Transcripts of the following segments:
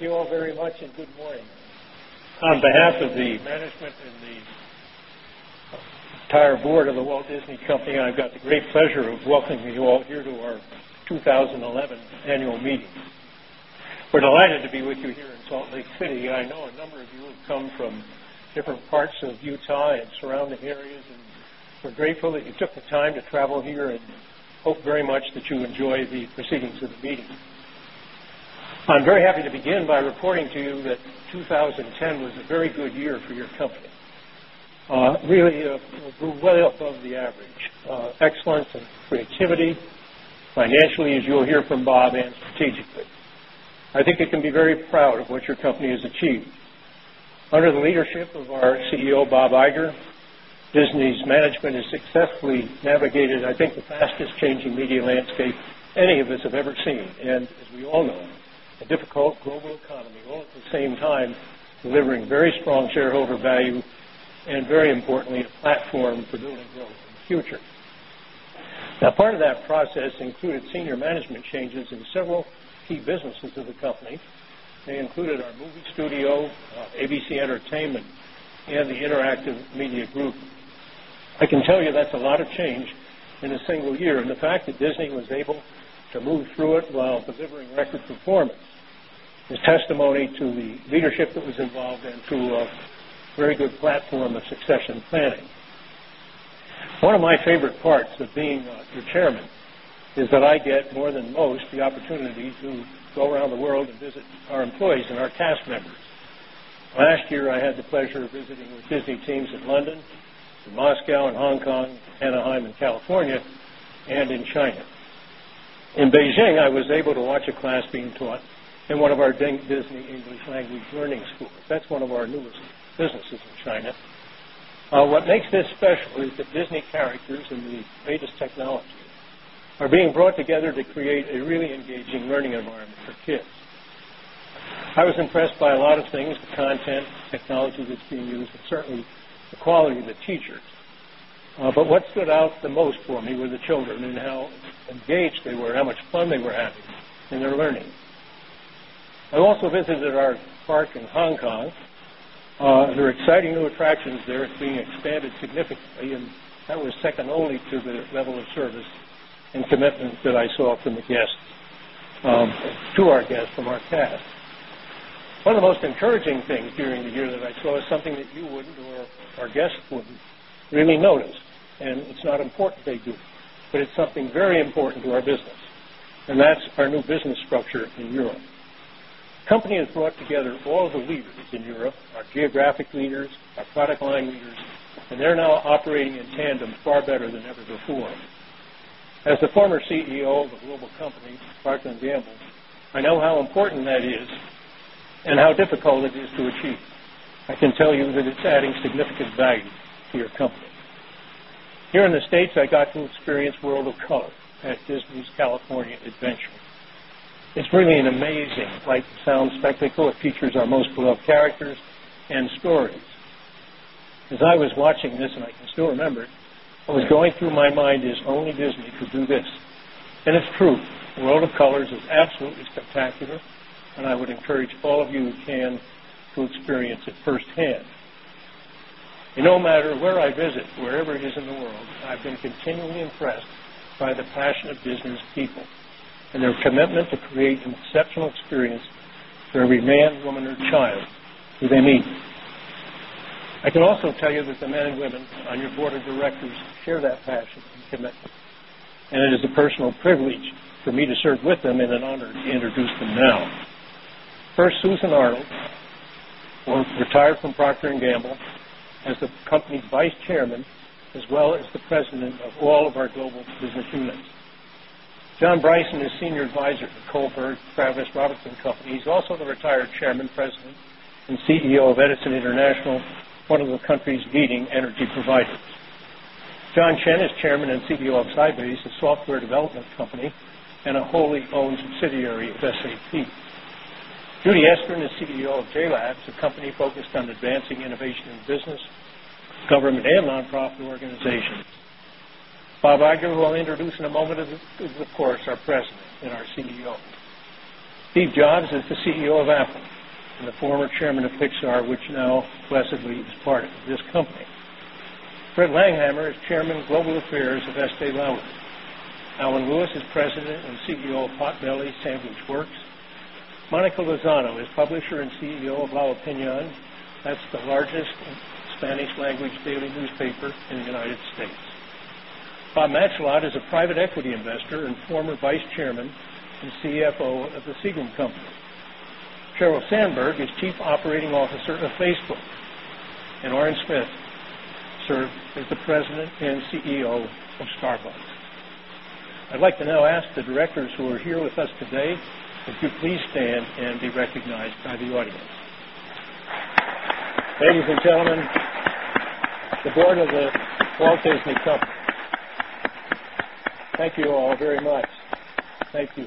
Thank you all very much and good morning. On behalf of the management and the entire Board of the Walt Disney Company. I've got the great pleasure of welcoming you all here to our 2011 Annual Meeting. We're delighted to be with you here in Salt Lake City. I know a number of you have come from different parts of Utah and surrounding areas and We're grateful that you took the time to travel here and hope very much that you enjoy the proceedings of the meeting. I'm very happy to begin by reporting to you that 2010 was a very good year for your company. Really Peck. Well, above the average, excellence and creativity, financially as you'll hear from Bob and strategically. Management has successfully navigated I think the fastest changing media landscape any of us have ever seen. And as we all know, Pemberton. Now part of that process included senior management changes in several key businesses of the company. They included our movie studio, ABC Entertainment and the Interactive Media Group. I can tell you that's a lot of change Pepin. Very good platform of succession planning. One of my favorite parts of being your Chairman is that I get more than most Pippen. The opportunity to go around the world and visit our employees and our cast members. Last year, I had the pleasure of visiting with Disney teams in London, Moscow and Hong Kong, Anaheim and California and in China. In Beijing, I was able to watch a class Peppin. In one of our Disney English Language Learning School, that's one of our newest businesses in China. What makes this Peck. The Disney characters and the greatest technology are being brought together to create a really engaging learning environment for kids. I was impressed by a lot of things, the content, technology that's being used and certainly the quality of the teachers. But what stood out the most for me were the children and how engaged they were, how much fun they were having in their learning. I also visited our park in Pepp. Hong Kong. There are exciting new attractions there. It's being expanded significantly and that was second only to the level of service And commitment that I saw from the guests, to our guests from our past. One of the most encouraging things during the year that I saw is something that Peppert. Company has brought together all the leaders in Europe, our geographic leaders, our product line leaders And they're now operating in tandem far better than ever before. As the former CEO of the global company, Bart Van Damles, I know how important that is And how difficult it is to achieve. I can tell you that it's adding significant value to your company. Here Peck. Here in the States, I got to experience World of Color at Disney's California Adventure. It's really an amazing light and sound spectacle. It features our most beloved characters And stories. As I was watching this and I can still remember, what was going through my mind is only Disney could do this. And it's true, the world Peck. It's absolutely spectacular and I would encourage all of you who can to experience it firsthand. No matter where Peck. I can also tell you that the men and women on your Board of Directors And it is a personal privilege for me to serve with them and an honor to introduce them now. First, Susan Arnold, retired from Procter and Gamble as the company's Vice Chairman as well as the President of all of our global business units. John Bryson is Senior Advisor for Colvard, Travis Robertson and Company. He's also the retired Chairman, President and CEO of Edison International, one of the country's Penn. John Chen is Chairman and CEO of Sybase, a software development company and a wholly owned subsidiary of SAP. Judy Estrin is CEO of JLABS, a company focused on advancing innovation in business, government and nonprofit organizations. Bob Iger, who I'll introduce in a moment is of course our President and our CEO. Steve Jobs is the CEO of Pappen. And the former Chairman of Pixar, which now blessedly is part of this company. Fred Langhammer is Chairman of Global Affairs of Peci. Alan Lewis is President and CEO of Potbelly Sandwich Works. Monica Lozano is Publisher and CEO of La Pettit. Sir, is the President and CEO of Starbucks. I'd like to now ask the directors who are here with us today, if you please Pettit. Ladies and gentlemen, the Board of the Walt Thank you all very much. Thank you.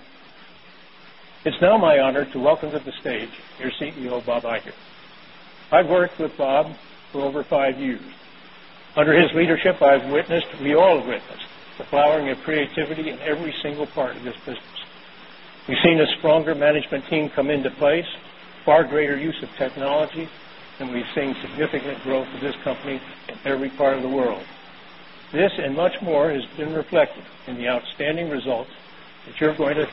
It's now my honor to welcome to the stage, your CEO, Peppert. I've worked with Bob for over 5 years. Under his leadership, I've witnessed, we all witnessed the flowering of creativity Peck. We've seen a stronger management team come into place, far greater use of technology, Pepsi. And we've seen significant growth in this company in every part of the world. This and much more has been reflected in the outstanding results Good morning,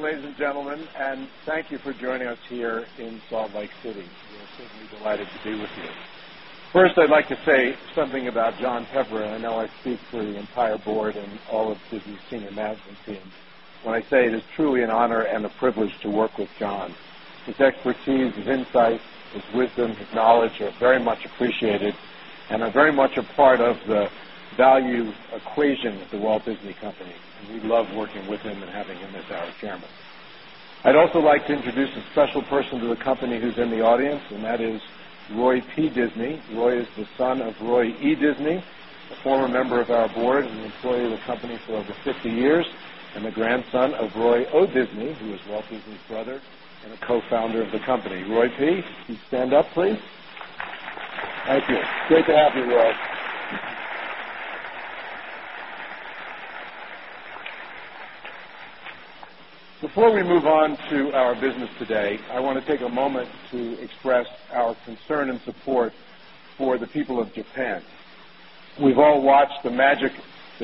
ladies and gentlemen, Pepper. Thank you for joining us here in Salt Lake City. We're certainly delighted to be with you. First, I'd like to say something about John Pepper. I know I Pepper. We love working with him and having him as our Chairman. I'd also like to introduce a special person to the company who's in the audience and that is Roy P. Peppa. Roy is the son of Roy E. Disney, a former member of our board and an employee of the company for over 50 years Before we move on to our business today, I want to take a moment to express our concern and support for the people of Japan. We've all watched the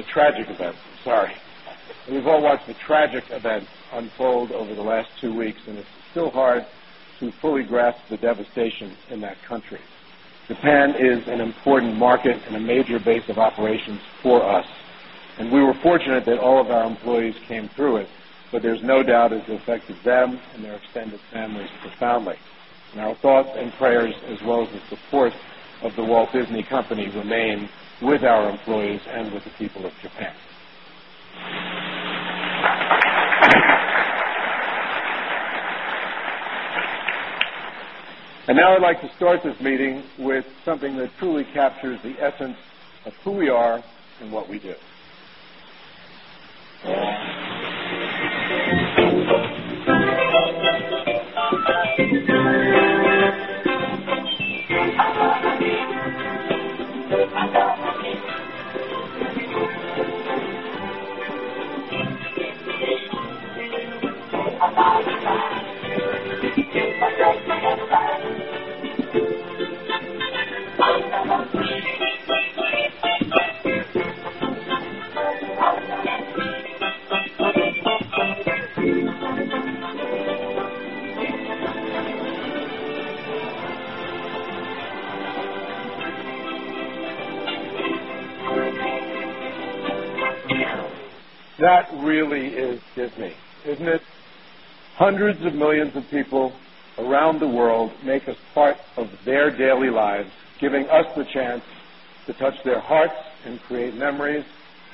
tragic event, sorry. We've all watched the tragic event unfold over And now I'd like to start this meeting with something that truly captures the essence of who we are and what we do. Penn. To touch their hearts and create memories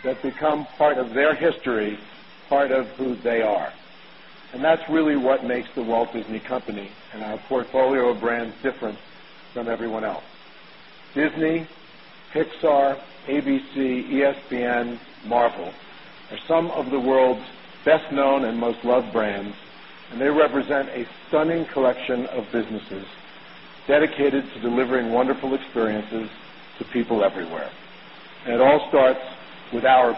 that become part of their history, part of who they are. And that's really what makes the Walt Disney Company and our portfolio of brands different from everyone else. Disney, Pepper. Pixar, ABC, ESPN, Marvel are some of the world's best known and most loved brands And they represent a stunning collection of businesses dedicated to delivering wonderful experiences to people everywhere. Pettit's been a long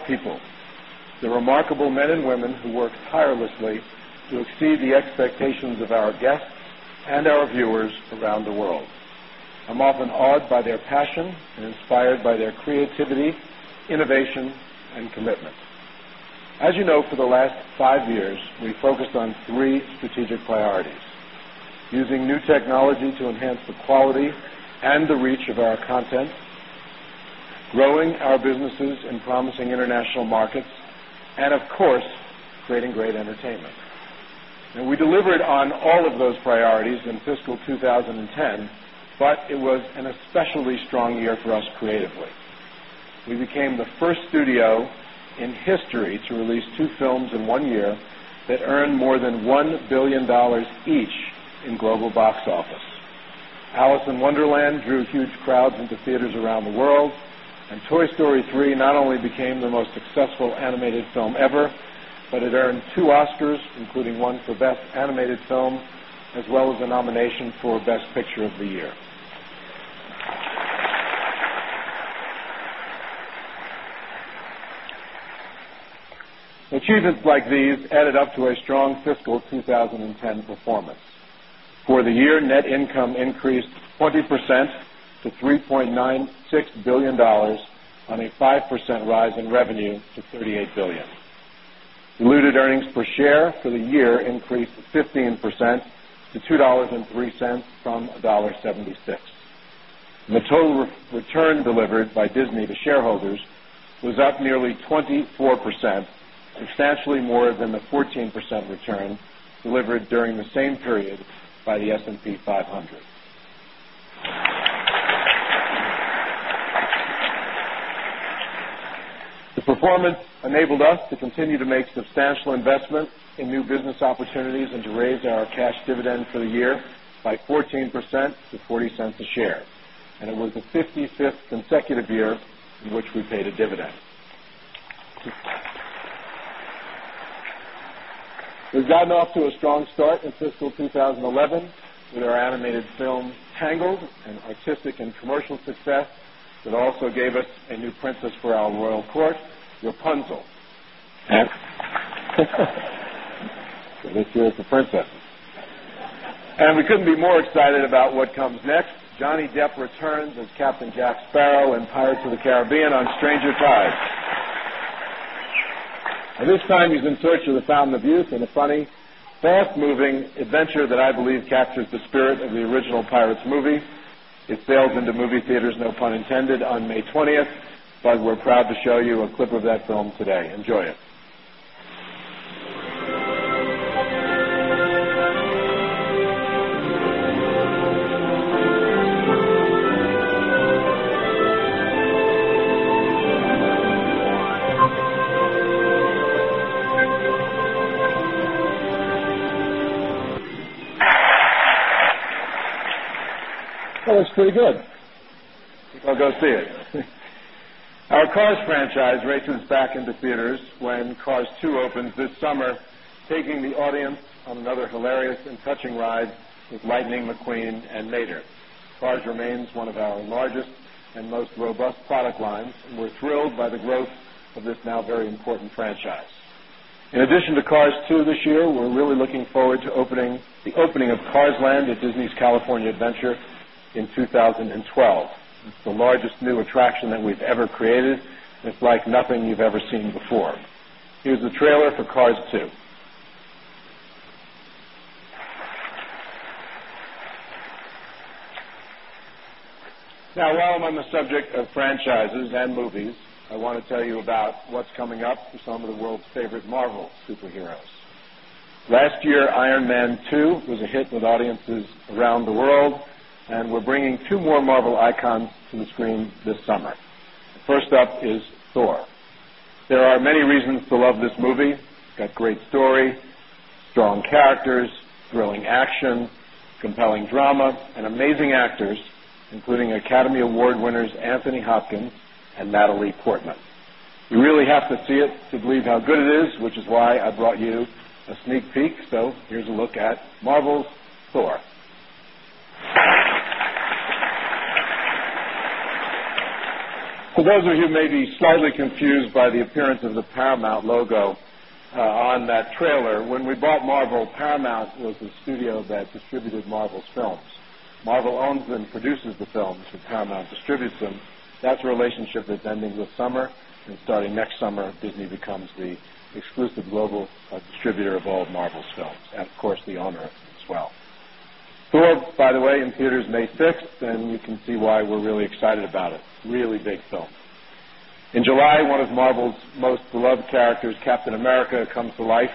time since the last growing our businesses in promising international markets and of course creating great entertainment. Poe. In history to release 2 films in 1 year that earned more than $1,000,000,000 each in global box Pepin. Alice in Wonderland drew huge crowds into theaters around the world and Toy Story 3 not only became the most successful animated film ever, but it earned 2 Oscars, including one for Best Animated Film as well as the nomination for Best Picture of the Year. Peck. Achieving like these added up to a strong fiscal 2010 performance. For the year, net income increased 20% Peck, to $3,960,000,000 on a 5% rise in revenue to $38,000,000,000 Diluted earnings Pettit. The performance enabled us to continue to make substantial investments in new business opportunities and to raise our cash dividend for the year artistic and commercial success that also gave us a new princess for our Royal Court, Rapunzel. Pepper. And we couldn't be more excited about what comes Peck. Johnny Depp returns as Captain Jack Sparrow in Pirates of the Caribbean on Stranger 5. At this time, he's in search That was pretty good. I'll go see it. Our Cars franchise Pepper. Cars remains one of our largest and most robust product lines and we're thrilled by the growth of this now very important franchise. In addition to Cars 2 this year, we're really looking forward to opening the opening of Cars Land at Disney's California Adventure in 2012. It's the largest There are many reasons to love this movie. It's got great story, strong characters, thrilling action, When we bought Marvel, Paramount was the studio that distributed Marvel's films. Marvel owns and produces the films, so Paramount distributes them. That's a relationship that's ending this summer and starting next summer, Disney becomes the exclusive global distributor of all Marvel's Pettit. One of Marvel's most beloved characters, Captain America comes to life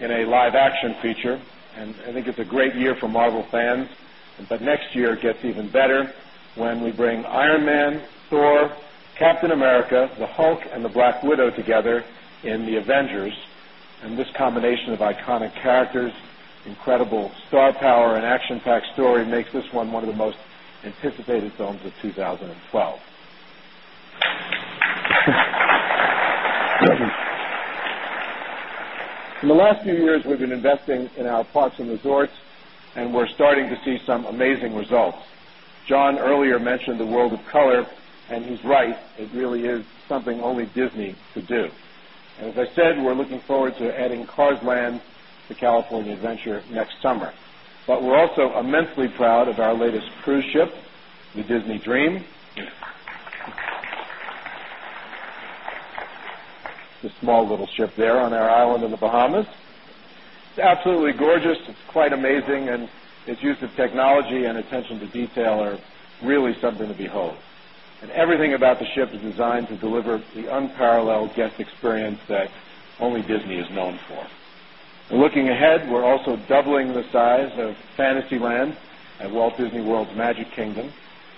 in a live action feature. And I think it's A great year for Marvel fans, but next year gets even better when we bring Iron Man, Thor, Captain America, the Hulk and the Black Widow together in the Avengers and this combination of iconic characters, incredible star power and action packed story makes this one one of the most In the last few years, we've been investing in our parks and resorts and we're starting to see some amazing results. John Pepperidge. A small little ship there on our island in the Bahamas. It's absolutely gorgeous. It's quite Peck. Only Disney is known for. Looking ahead, we're also doubling the size of Fantasyland at Walt Disney World's Magic Kingdom,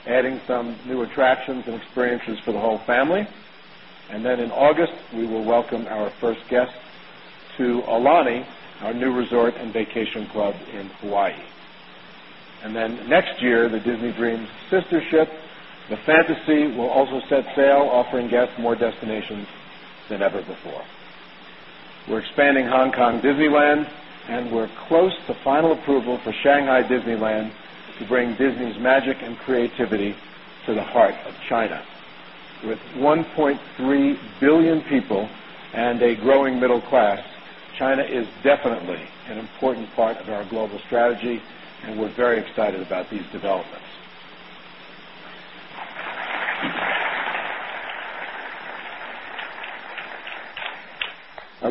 adding some New attractions and experiences for the whole family. And then in August, we will welcome our first guest to Aulani, Pepsi. We're expanding Hong Kong Disneyland and we're close Penn. Approval for Shanghai Disneyland to bring Disney's magic and creativity to the heart of China. With 1,300,000,000 people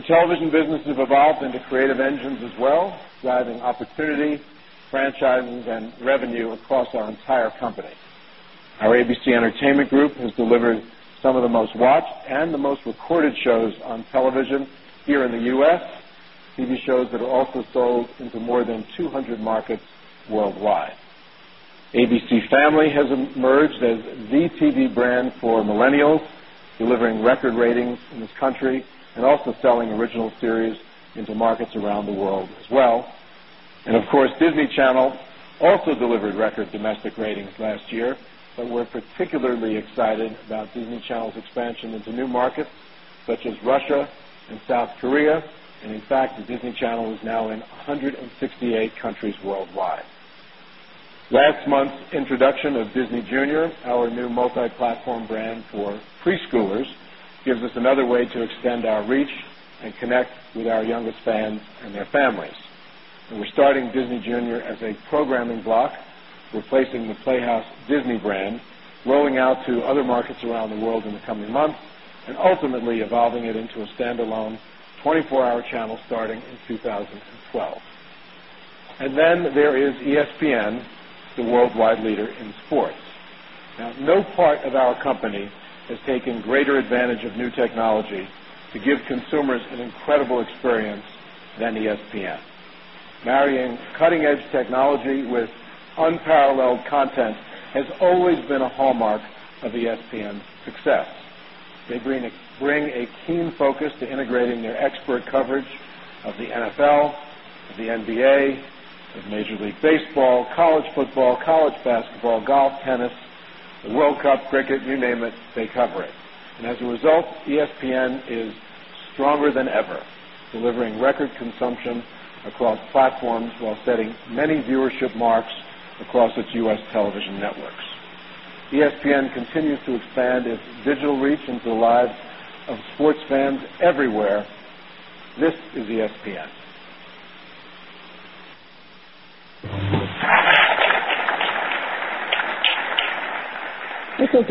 Television business has evolved into creative engines as well, driving opportunity, franchises and revenue across our entire company. Our ABC Entertainment Group has delivered some of the most watched and the most recorded shows on television here in the U. S, TV shows that are also sold in Peppert from South Korea and in fact, the Disney Channel is now in 168 countries worldwide. Last month's introduction of Disney Junior, our new Pepper. Platform brand for preschoolers gives us another way to extend our reach and connect with our youngest fans and their families. We're starting Disney Junior as a programming block replacing the Playhouse Disney brand rolling out to other markets Penn, the worldwide leader in sports. Now no part of our company has taken greater advantage of new Pepper. Parallel content has always been a hallmark of ESPN's success. They bring a keen focus to integrating their expert coverage Pettit. So on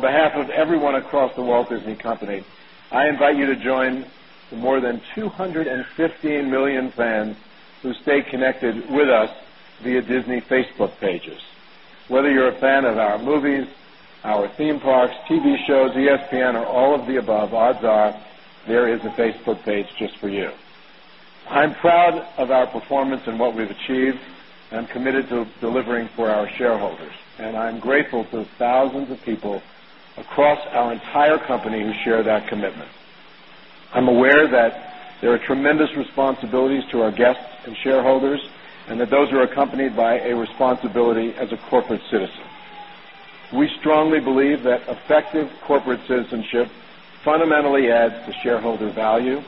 behalf of everyone across the Walt Disney Company, I invite you to join the more than 215 Pepper. And that those are accompanied by a responsibility as a corporate citizen. We strongly believe Peck. That effective corporate citizenship fundamentally adds to shareholder value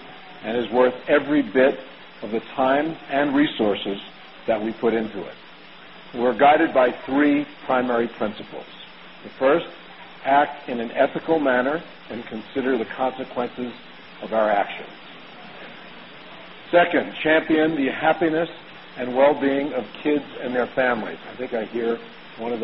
and is worth every bit of the time and resources Pepper.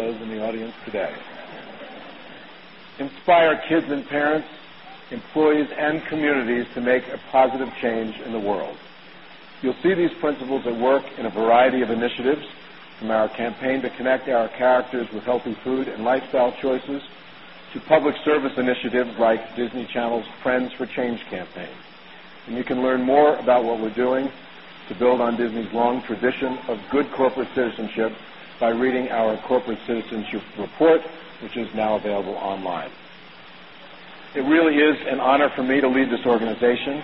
And you can learn more about what we're doing to build on Disney's long tradition of good corporate citizenship by reading our corporate citizenship report, Pepper, which is now available online. It really is an honor for me to lead this organization.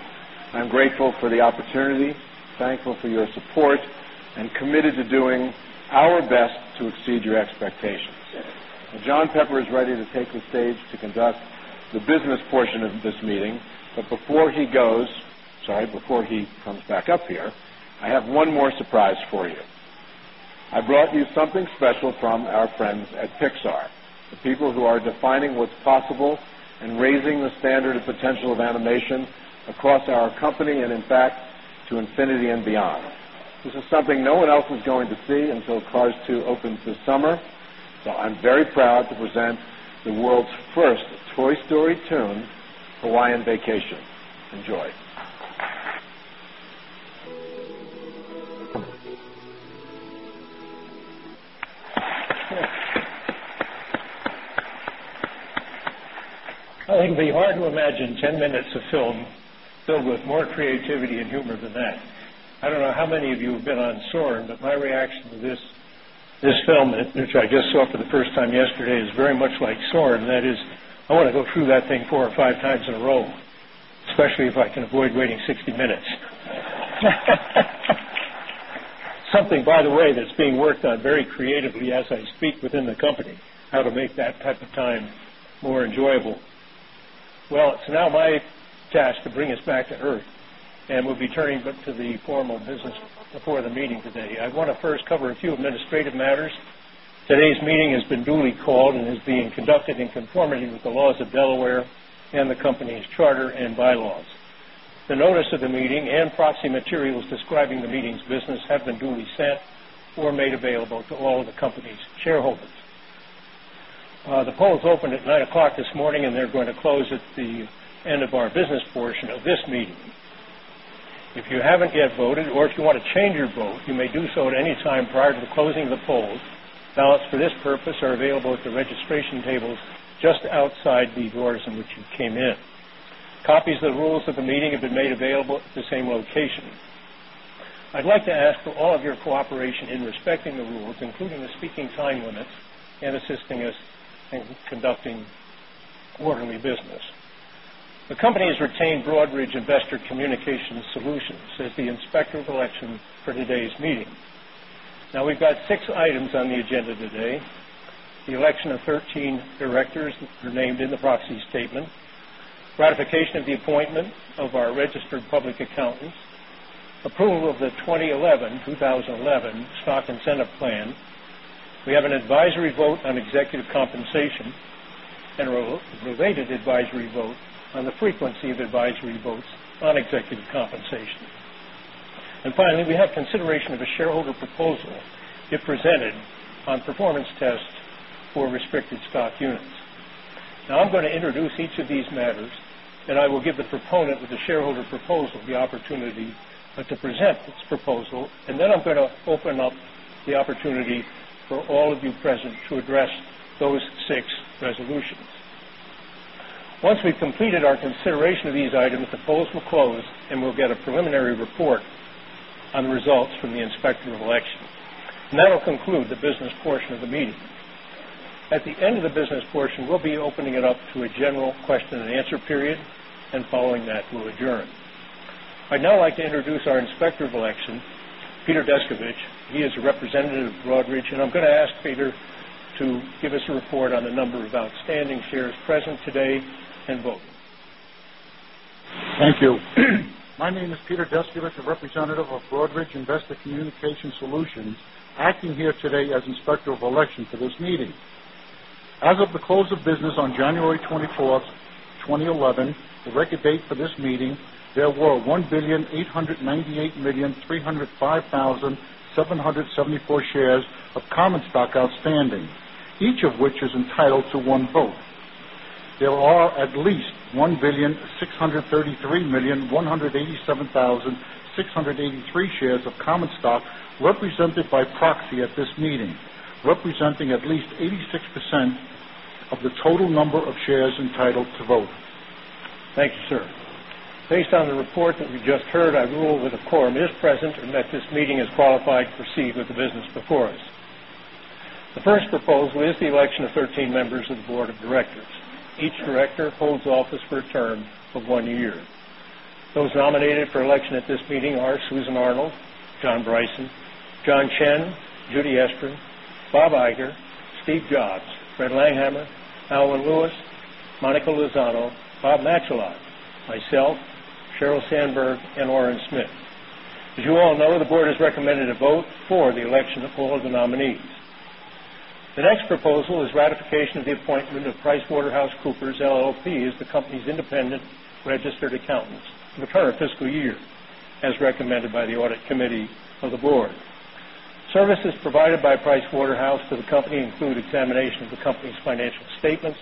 I'm grateful for the opportunity, Pepper. Thankful for your support and committed to doing our best to exceed your expectations. John Pepper is ready to take the stage the business portion of this meeting. But before he goes, sorry, before he comes back up here, I have one more surprise for you. Pepi. So I'm very proud to present the world's first Toy Story tune, Hawaiian Vacation. It would be hard to imagine 10 minutes of film which I just saw for the first time yesterday is very much like Soren that is I want to go through that thing 4 or 5 times in a row, Today's meeting has been duly called and is being conducted in conformity with the laws of Delaware and the company's charter and bylaws. The notice of the meeting and I'd like to ask for all of your cooperation in respecting the rules, including the speaking time limits and assisting us Pepper. The company has retained Broadridge Investor Communications Solutions as the Inspector Pepper. Now we've got 6 items on the agenda today. The election of 13 directors named in the Peck's statement, ratification of the appointment of our registered public accountants, approval of the 20 Pep. 2011 stock incentive plan. We have an advisory vote on executive compensation and a related advisory vote on Peck. And then I'm going to open up the opportunity for all of you present to address those Peck. Once we've completed our consideration of these items, the polls will close and we'll get a preliminary report on the results from the Inspector Pepper. And that will conclude the business portion of the meeting. At the end of the business portion, we'll be opening it up to a Peskovitch. He is a representative of Broadridge and I'm going to ask Peter to give us a report on the number of outstanding shares Pettit. Thank you. My name is Peter Deskelet, a representative of Broadridge Investor Pembroke, Communications, acting here today as Inspector of Election for this meeting. As of the close of business on January 24, 2011, Petit, who will be the 1st year of common stock outstanding, each of which is entitled to one vote. There are at least 1,006,000,000,006 Pepp. The quorum is present and that this meeting is qualified to proceed with the business before us. The first proposal is the election of Pepi. Alan Lewis, Monica Lozano, Bob Nachalot, myself, Sheryl Sandberg and Oren Smith. As you Peck. The President of PricewaterhouseCoopers LLP is the company's independent registered accountants for the current fiscal year as recommended by the Audit Committee Pepper. Services provided by Pricewaterhouse for the company include examination of the company's financial statements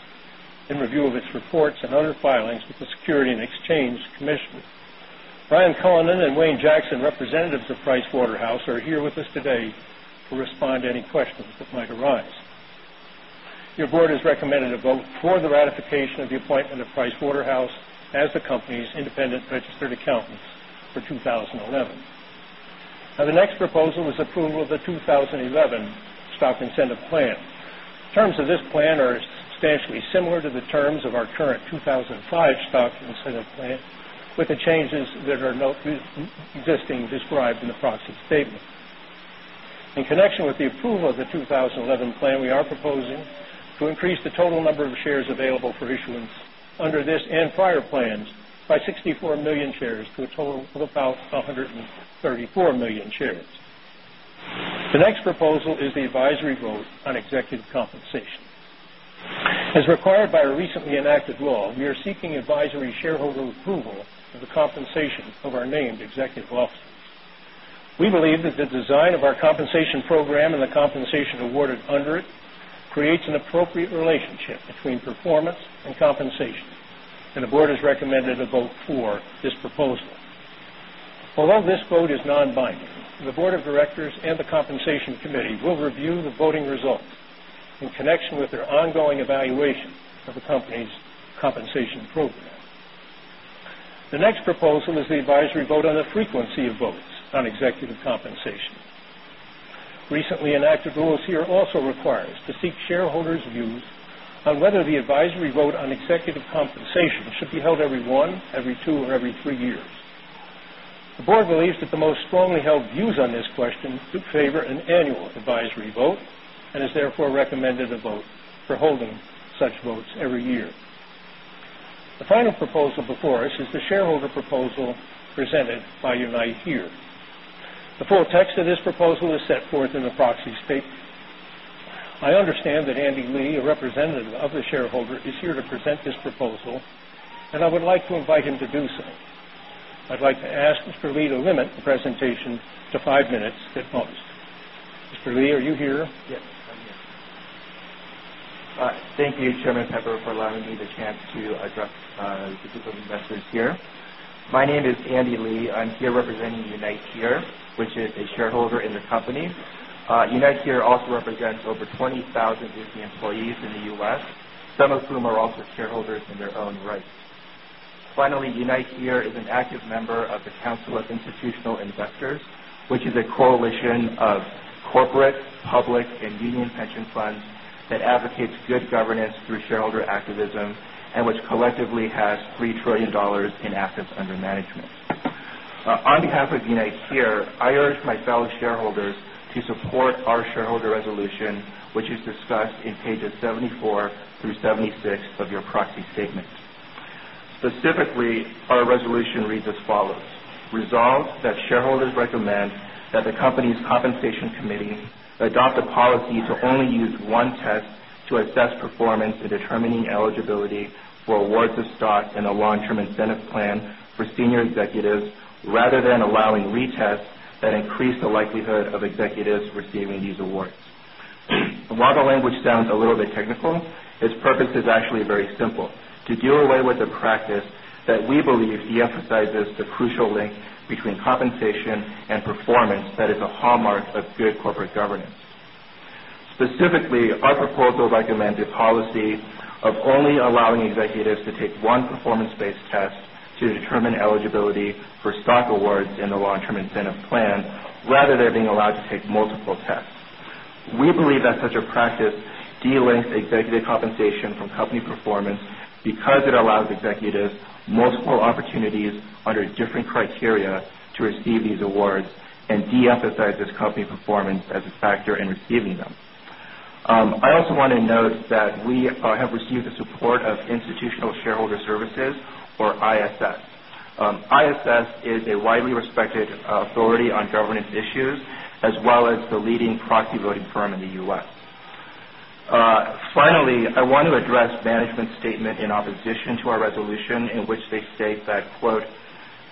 Pepper, in review of its reports and under filings with the Securities and Exchange Commission. Brian Cullinan and Wayne Jackson, Pettit. The representatives of Pricewaterhouse are here with us today to respond to any questions that might arise. Your Board has recommended a vote for the ratification Pettit. With the changes that are not existing described in the proxy statement. In connection with the approval of the Pembroke. The 2021 plan we are proposing to increase the total number of shares available for issuance under this and prior plans by 64,000,000 shares to a total of Pellegrino. The next proposal is the advisory vote on executive compensation. As Peppert. By our recently enacted law, we are seeking advisory shareholder approval of the compensation of our named executive officers. We believe that the design of our Penn. Program and the compensation awarded under it creates an appropriate relationship between performance and compensation. And the Board has recommended a vote for this proposal. Although this vote is non binding, the Board of Directors and Penn. The compensation committee will review the voting results in connection with their ongoing evaluation of the company's compensation program. The next proposal is the advisory vote on the frequency of votes on executive compensation. Recently enacted rules here Pepper. Also requires to seek shareholders' views on whether the advisory vote on executive compensation should be held every 1, every 2 or every 3 years. Such votes every year. The final proposal before us is the shareholder proposal presented by Unite Here. The full text of this proposal is set forth in the proxy statement. I understand that Andy Lee, a representative of the shareholder is here to Pepper. Thank you, Chairman Pepper for allowing me the chance to address the group of investors here. My name Papagena here. I urge my fellow shareholders to support our shareholder resolution, which is discussed in Pages 74 through Peck. Specifically, our resolution reads as follows: Resolve that shareholders recommend that the company's Compensation committees adopt a policy to only use one test to assess performance in determining eligibility While the language sounds a little bit technical, its purpose is actually very simple, to deal away with the practice that we believe Peck. The crucial link between compensation and performance that is a hallmark of good corporate governance. Specifically, our proposal recommended policy of only allowing executives to take one performance based test to determine eligibility executive compensation from company performance because it allows executives multiple opportunities under different criteria Peck. I've received the support of Institutional Shareholder Services or ISS. ISS is a widely respected authority Pepper. As well as the leading proxy voting firm in the U. S. Finally, I want to address management statement in opposition Pepper, to our resolution in which they state that,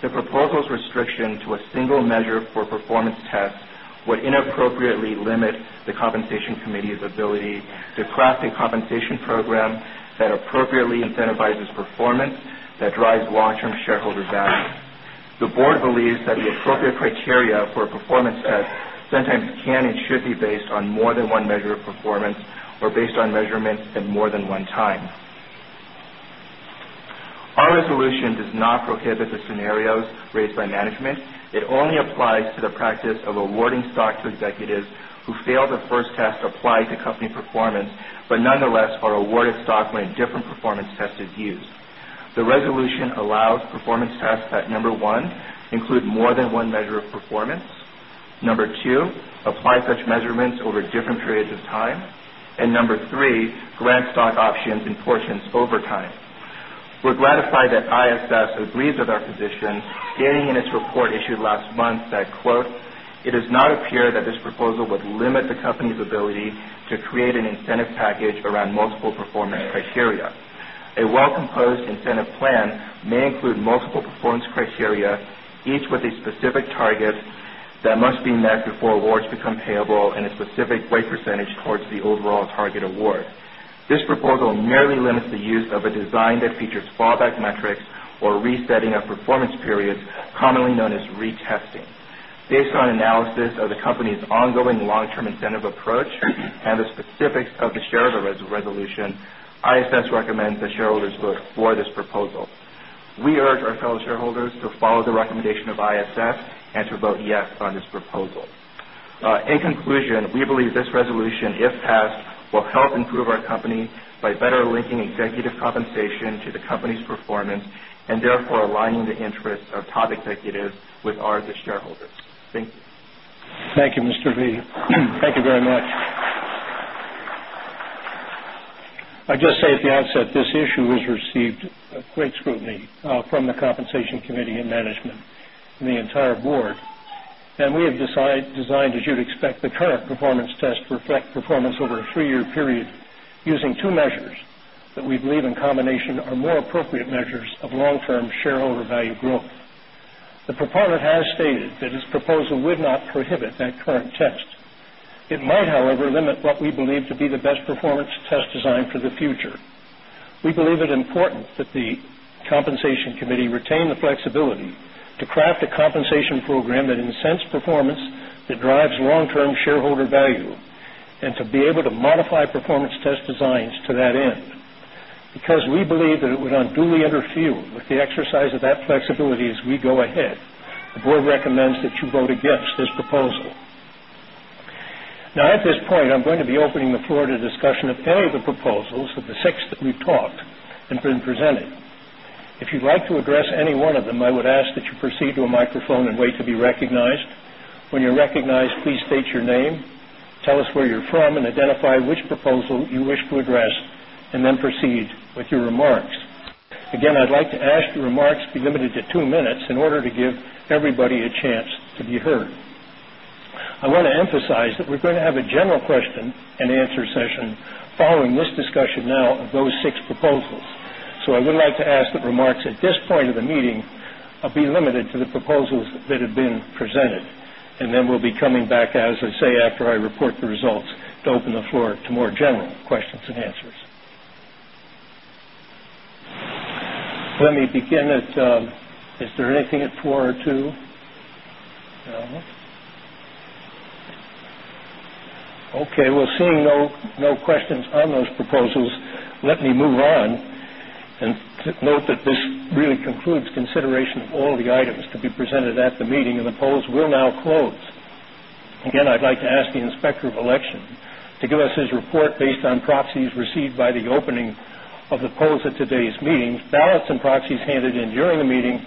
The proposal's restriction to a single measure for performance tests would inappropriately limit the compensation Pettit. Our resolution does not prohibit the scenarios raised by management. It only applies Peck. The practice of awarding stock to executives who failed the first test applied to company performance, but nonetheless are awarded stock when a different performance test is used. Pepper's ability to create an incentive package around multiple performance criteria. A well composed incentive plan may include multiple performance Pettit. Each with a specific target that must be met before awards become payable and a specific rate percentage towards the overall target award. This report will merely limit the use of a design that features fallback metrics or resetting of performance periods commonly known as retesting. Based on analysis of Peck. The company's ongoing long term incentive approach and the specifics of the shareholder resolution ISS recommends the shareholders book for this proposal. Pettit. We urge our fellow shareholders to follow the recommendation of ISS and to vote yes on this proposal. In conclusion, we believe this resolution if passed will Pepper. To help improve our company by better linking executive compensation to the company's performance and therefore aligning the interest of top executives with ours as shareholders. Thank you, Mr. V. Thank you very much. I'll just say at the outset, this issue has received performance over a 3 year period using 2 measures that we believe in combination are more appropriate measures of long term shareholder value growth. The proponent has stated that this proposal would not prohibit that current test. It might however limit what we believe to be the Petter, who will be the best in class design for the future. We believe it important that the compensation committee retain the flexibility to craft Pepp. Now at this point, I'm going to be opening the floor to discussion of any of the proposals of the 6 that we've talked and been presented. Peppers. If you'd like to address any one of them, I would ask that you proceed to a microphone and wait to be recognized. When you're recognized, please state your name, Pemberton. I want to emphasize that we're going to have a general question and answer session Peppert. Let me begin at is there anything at 4 or 2? Okay. Well, seeing no questions on those proposals, let me move on. And note that this really concludes consideration of all the items to be presented at the meeting and the polls will now close. Again, I'd like to ask the Inspector of Election to give us his report based on proxies received by the opening of the polls Pettit. To today's meeting, ballots and proxies handed in during the meeting,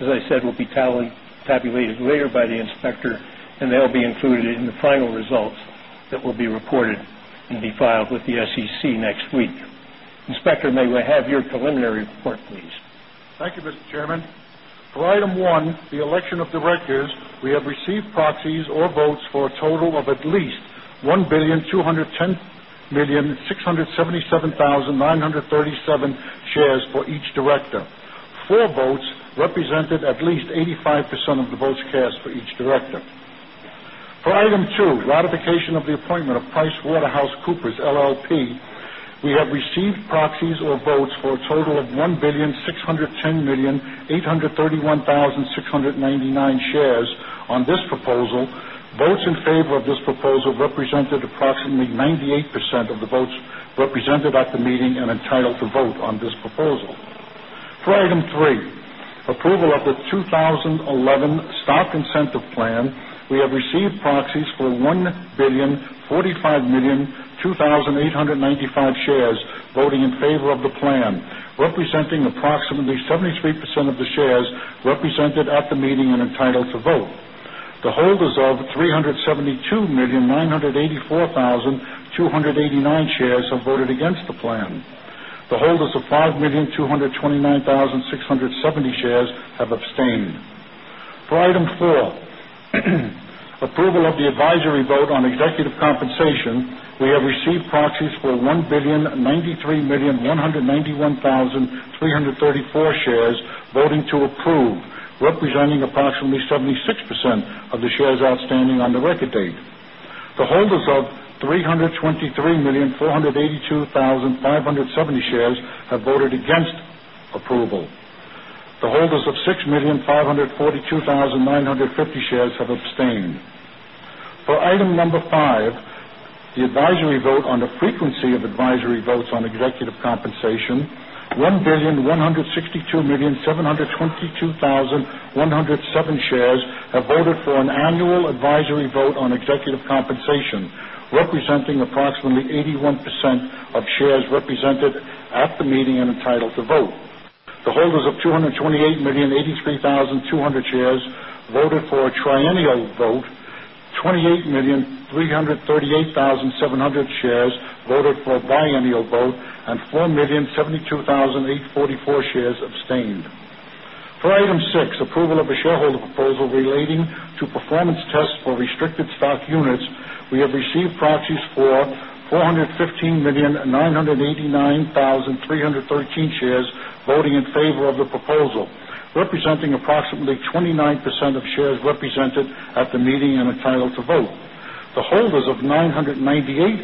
as I said, will be tabulated later by the inspector and they'll be included in the final results Pepper, that will be reported and be filed with the SEC next week. Inspector, may we have your preliminary report, please? Thank you, Mr. Pepper. For item 1, the election of directors, we have received proxies or votes for a total of at least 1,210,600 and Peck. Pettit. For item 2, ratification of the appointment of PricewaterhouseCoopers LLP, we have received proxies or votes Pettit. Approval of the 2011 stock incentive plan, we have received proxies for 1,045,002 Pettit. 1,885 shares voting in favor of the plan, representing approximately 73% of the shares Pepper, represented at the meeting and entitled to vote. The holders of 372,984,289 shares have voted Pepper. The holders of 5,229,670 shares have abstained. For item 4, Pettit. Approval of the advisory vote on executive compensation, we have received proxies for 1,093,191,191 Peck. Pettitrew. The holders of 323,482,570 shares have voted against Pettit. The holders of 6,000,000 542,950 shares have abstained. For item number Peck. 1,000,000 722,107 shares have voted for an annual advisory vote on executive compensation, representing approximately 80 Penn. 1% of shares represented at the meeting and entitled to vote. The holders of 228,000,000 Peck. For a triennial vote, 28,000,000 3 100 and 38,700 shares voted for a biennial vote and 4,000,72,000 Peppert, 44 shares abstained. For item 6, approval of a shareholder proposal relating to performance tests for restricted stock units, we have received proxies Pepper. For 415,000,009,003 and 13 shares voting in favor of the proposal, representing approximately 29% Peck. The holders of 998,000,000,400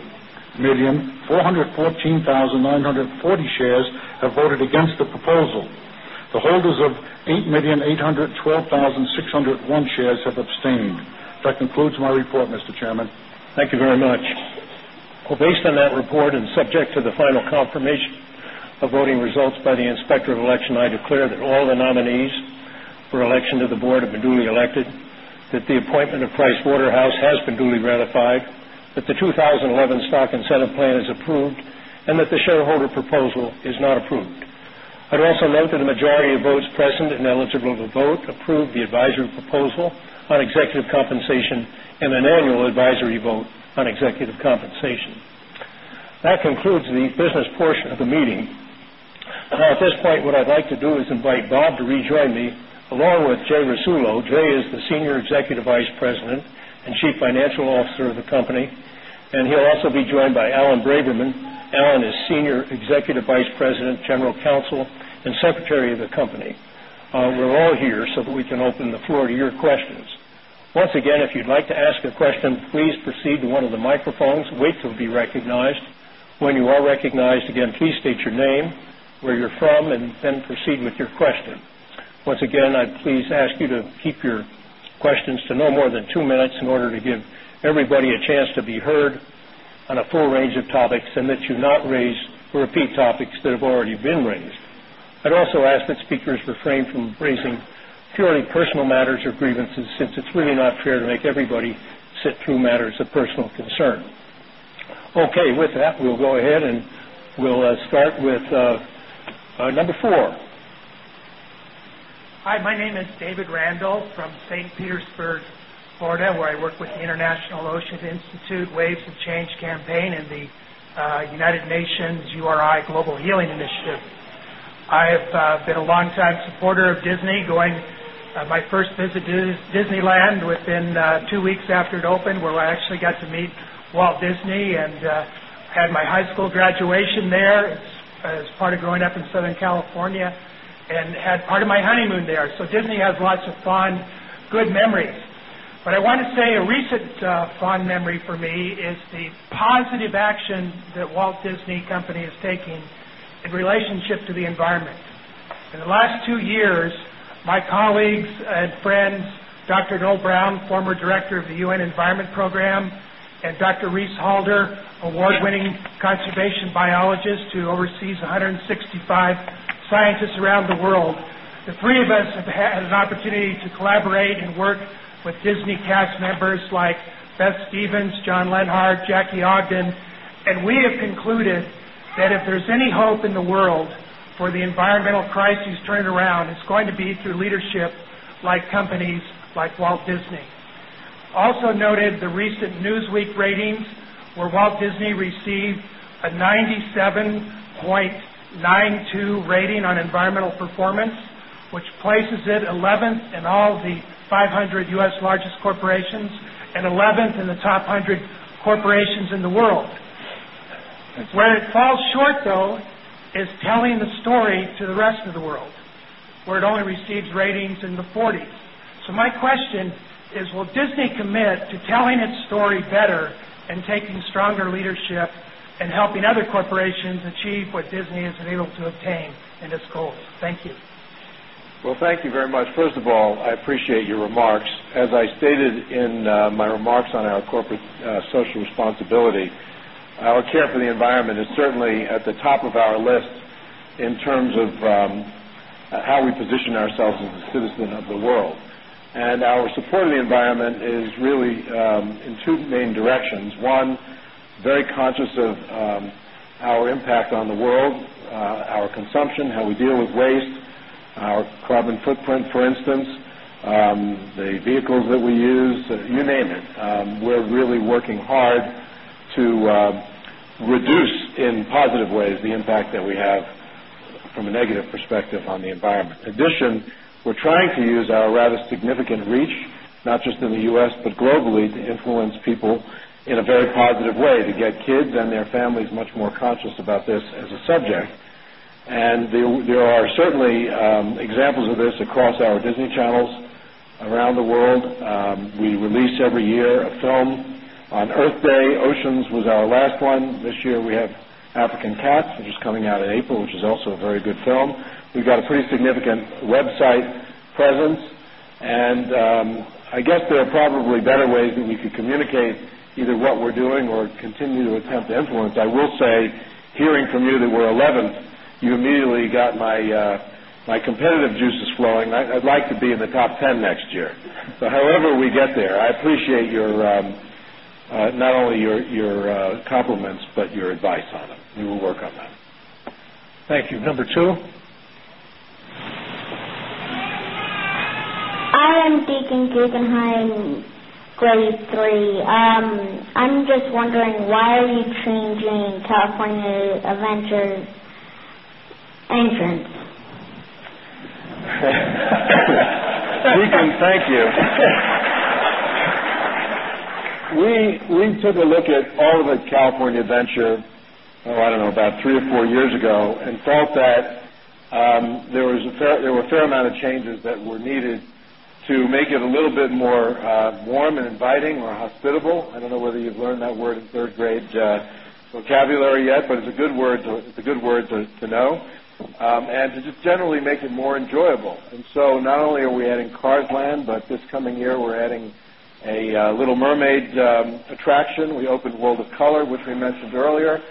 and Pennington. That concludes my report, Mr. Chairman. Thank you very much. Based on that report and subject to the final confirmation The voting results by the Inspector of Election, I declare that all the nominees for election to the Board have been duly elected, that the appointment of Pricewaterhouse has Penn. The majority of votes present and eligible to vote approve the advisory proposal on executive compensation and an annual advisory vote on executive compensation. That concludes the business portion of the meeting. Now at this point, what I'd like to do is invite Bob to rejoin me along with Jay Rasullo. Jay is the Petzl and Secretary of the Company. We're all here so that we can open the floor to your questions. Peck. Thank you. Pembroke. Okay. With that, we'll go Pennant. We'll start with number 4. Hi, my name is David Randall from St. Petersburg, Florida, Petter, where I work with the International Ocean Institute Waves of Change Campaign and the United Nations URI Global Healing Initiative. I have Peck. I've been a longtime supporter of Disney going my first visit to Disneyland within 2 weeks after it opened where I Peck. I got to meet Walt Disney and had my high school graduation there as part of growing up in Southern California and Biologist who oversees 165 scientists around the world. The 3 of us have had an opportunity to collaborate and work with Disney cast members Peck. Beth Stevens, John Lenhart, Jackie Ogden. And we have concluded that if there's any hope in the world Pepper. Also noted the recent Newsweek ratings where Walt Disney received a 97.92 Pembroke, which places it 11th in all the 500 U. S. Largest corporations and 11th in the top 100 corporations So my question is, will Disney commit to telling its story better and taking stronger leadership and helping other corporations achieve what Disney has Pepper. Well, thank you very much. First of all, I appreciate your remarks. As I stated in my remarks on our corporate And our support of the environment is really, in 2 main directions. 1, very conscious of Our impact on the world, our consumption, how we deal with waste, our carbon footprint, for instance, The vehicles that we use, you name it. We're really working hard to reduce Penn. To influence people in a very positive way to get kids and their families much more conscious about this as a subject. And there are certainly examples of this across our Disney channels around the world. We release every year a film Pepper. I will say hearing from you that we're 11th, you immediately got my competitive juices flowing. I'd like to be The top 10 next year. So however we get there, I appreciate your, not only your compliments, but your advice on them. We will work on that. Thank you. Number 2. I am taking Guggenheim I'm just wondering why are you changing California Avenger Pettit. We took a look at all of the California Adventure, I don't know, about 3 or 4 years ago and felt that There was a fair there were fair amount of changes that were needed to make it a little bit more, warm and inviting or I don't know whether you've learned that word in 3rd grade vocabulary yet, but it's a good word to know, Pepper. And to just generally make it more enjoyable. And so not only are we adding Cars Land, but this coming year, we're adding a Little Mermaid attraction. We Open World of Color, which we mentioned earlier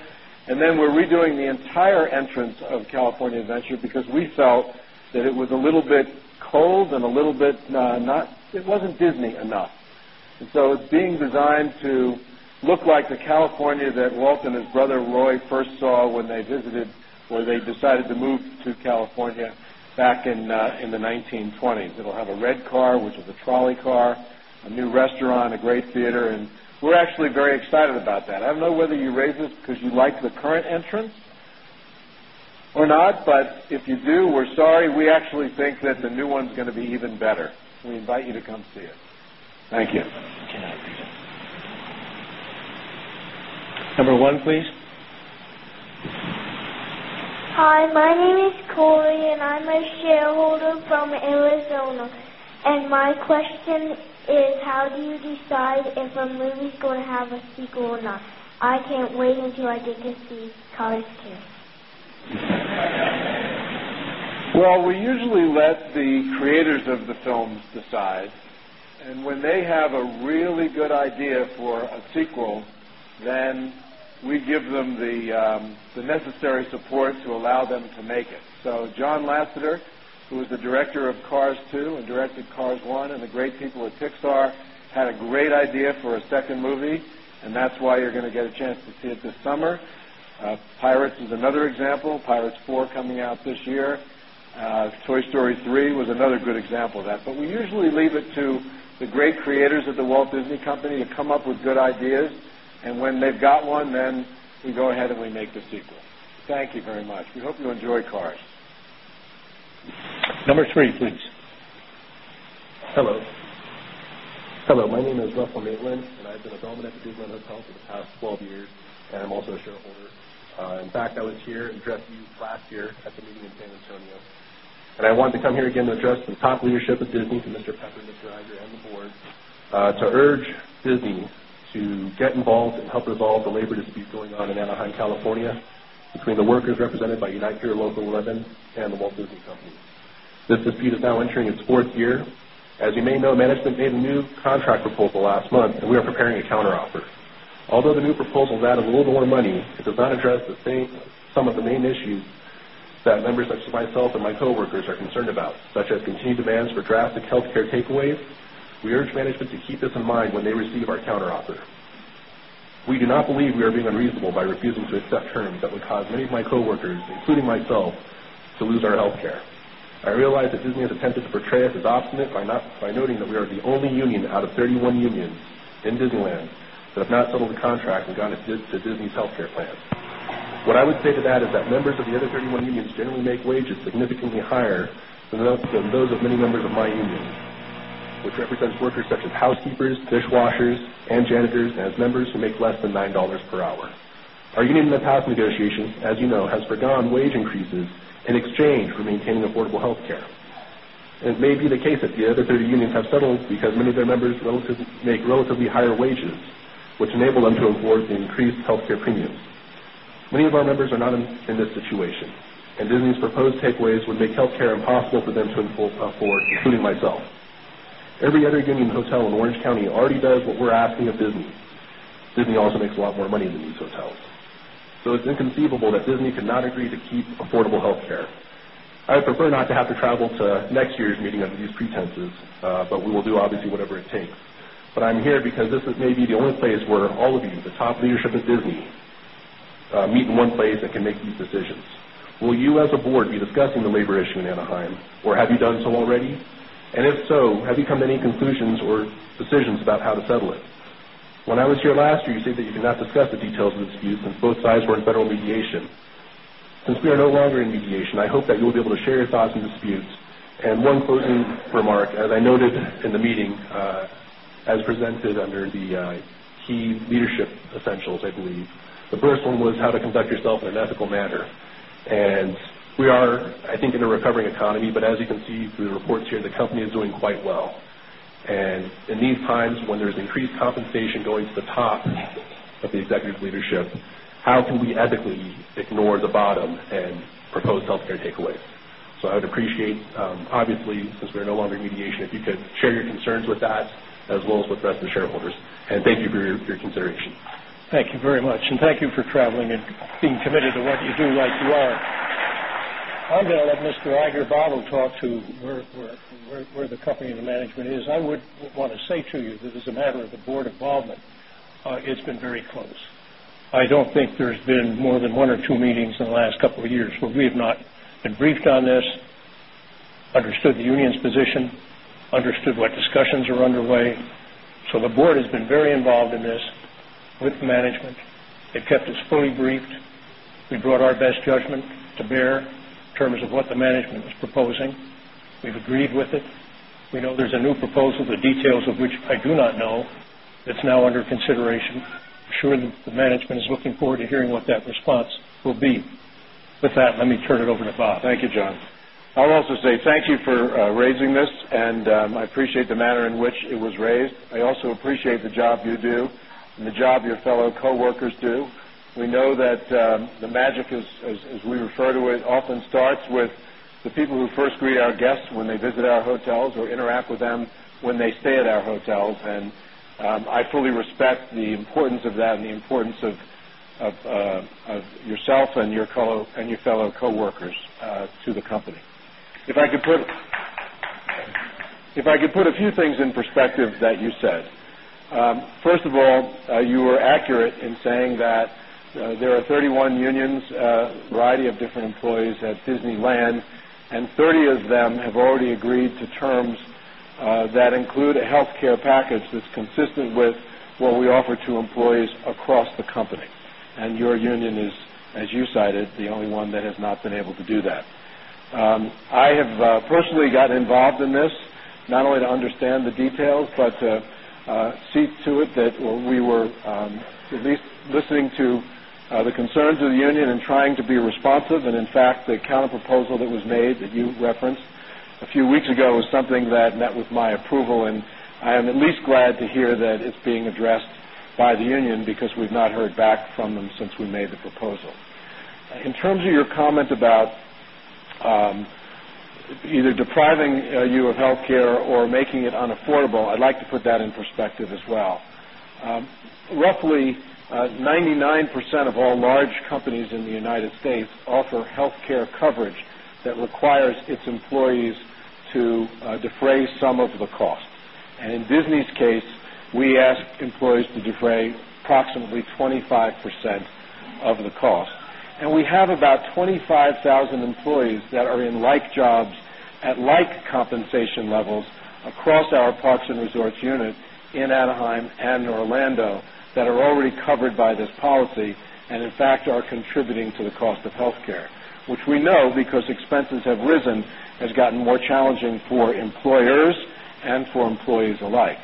and then we're redoing the entire entrance of California Adventure because we felt that it was a little bit Peck. Cold and a little bit, not it wasn't Disney enough. And so it's being designed to look like the California It will have a red car, which is a trolley car, a new restaurant, a great theater, and we're actually very excited about that. I don't know whether you Hi. My name is Corey, and I'm a shareholder from Arizona. And my question is, how do you Well, we usually let the creators of the films decide. And when they have a really good idea Cars 2 and directed Cars 1 and the great people at Pixar had a great idea for a second movie and that's why you're going to get a chance to see it this summer. Pirates is another example. Pirates 4 coming out this year. Toy Story 3 was another good example of that, but we usually leave it to the great Peck. We hope you enjoy Cars. Pepper. Hello. My name is Russell Maitland and I've been a development engineer for the Pepper. And I'm also a shareholder. In fact, I was here to address you last year at the meeting in San Antonio. And I want to come here again to address the top leadership of Disney to Pepper. Mr. Iger and the Board to urge Disney to get involved and help resolve the labor disputes going on in Anaheim, California between Peck. We have a contract proposal last month and we are preparing a counter offer. Although the new proposals added a little bit more money, it does not address the same some of the main issues that members Myself and my coworkers are concerned about such as continued demands for drastic healthcare takeaways, we urge management to keep this in mind when they receive our counter offer. We do not believe we are being unreasonable by refusing to accept terms that would cause many of my coworkers, including myself, to lose Pemberton. I realize that Disney's intent to portray us as obstinate by noting that we are the only union out of 31 unions in Disneyland that have not settled the Pepper. What I would say to that is that members of the other 31 unions generally make wages significantly higher than those of many Pepper. Which represents workers such as housekeepers, dishwashers and janitors as members who make less than $9 per hour. Our union in Hotel in Orange County already does what we're asking of Disney. Disney also makes a lot more money than these hotels. So it's inconceivable that Disney Pepper. Will you as a Board be discussing the labor issue in Anaheim or have you done so already? And if so, have you come to any conclusions or decisions about how to settle it? When I was here Peck. And one closing remark, as I noted in the meeting, as presented under the key Pettit. So I would appreciate, obviously, since we are no longer in mediation, if you could share your concerns with that as well Thank you very much and thank you for traveling and being committed to what you do like I'm going to let Mr. Igerbottle talk to where the company of the management is. I would want I say to you, this is a matter of the Board involvement. It's been very close. I don't think there's been more than 1 or 2 meetings in the last couple of years, We have not been briefed on this, understood the union's position, understood what discussions are underway. So the Board has been very involved in this with the management. It kept us fully briefed. We brought our best judgment to bear in terms I'm sure the management is looking forward to hearing what that response will be. With that, let me turn it over to Bob. Thank you, John. I'll also say thank you for raising this and I appreciate the manner in which it was raised. I also appreciate the job you do and the job your fellow coworkers Pitt. We know that the magic is, as we refer to it, often starts with the people who first greet our guests when they visit our hotels or interact with them when they Peppert. And your fellow coworkers to the company. If I could put a few things in perspective that you said. First of all, you were accurate in saying that there are 31 unions, a variety of different employees at Peck. I have personally got involved in this, not only to understand the details, but see to it that we were at least listening to Peck. It was something that met with my approval and I am at least glad to hear that it's being addressed by the union because we've not heard back from Pepper. That requires its employees to defray some of the cost. And in Disney's case, we ask employees to defray which we know because expenses have risen has gotten more challenging for employers and for employees alike.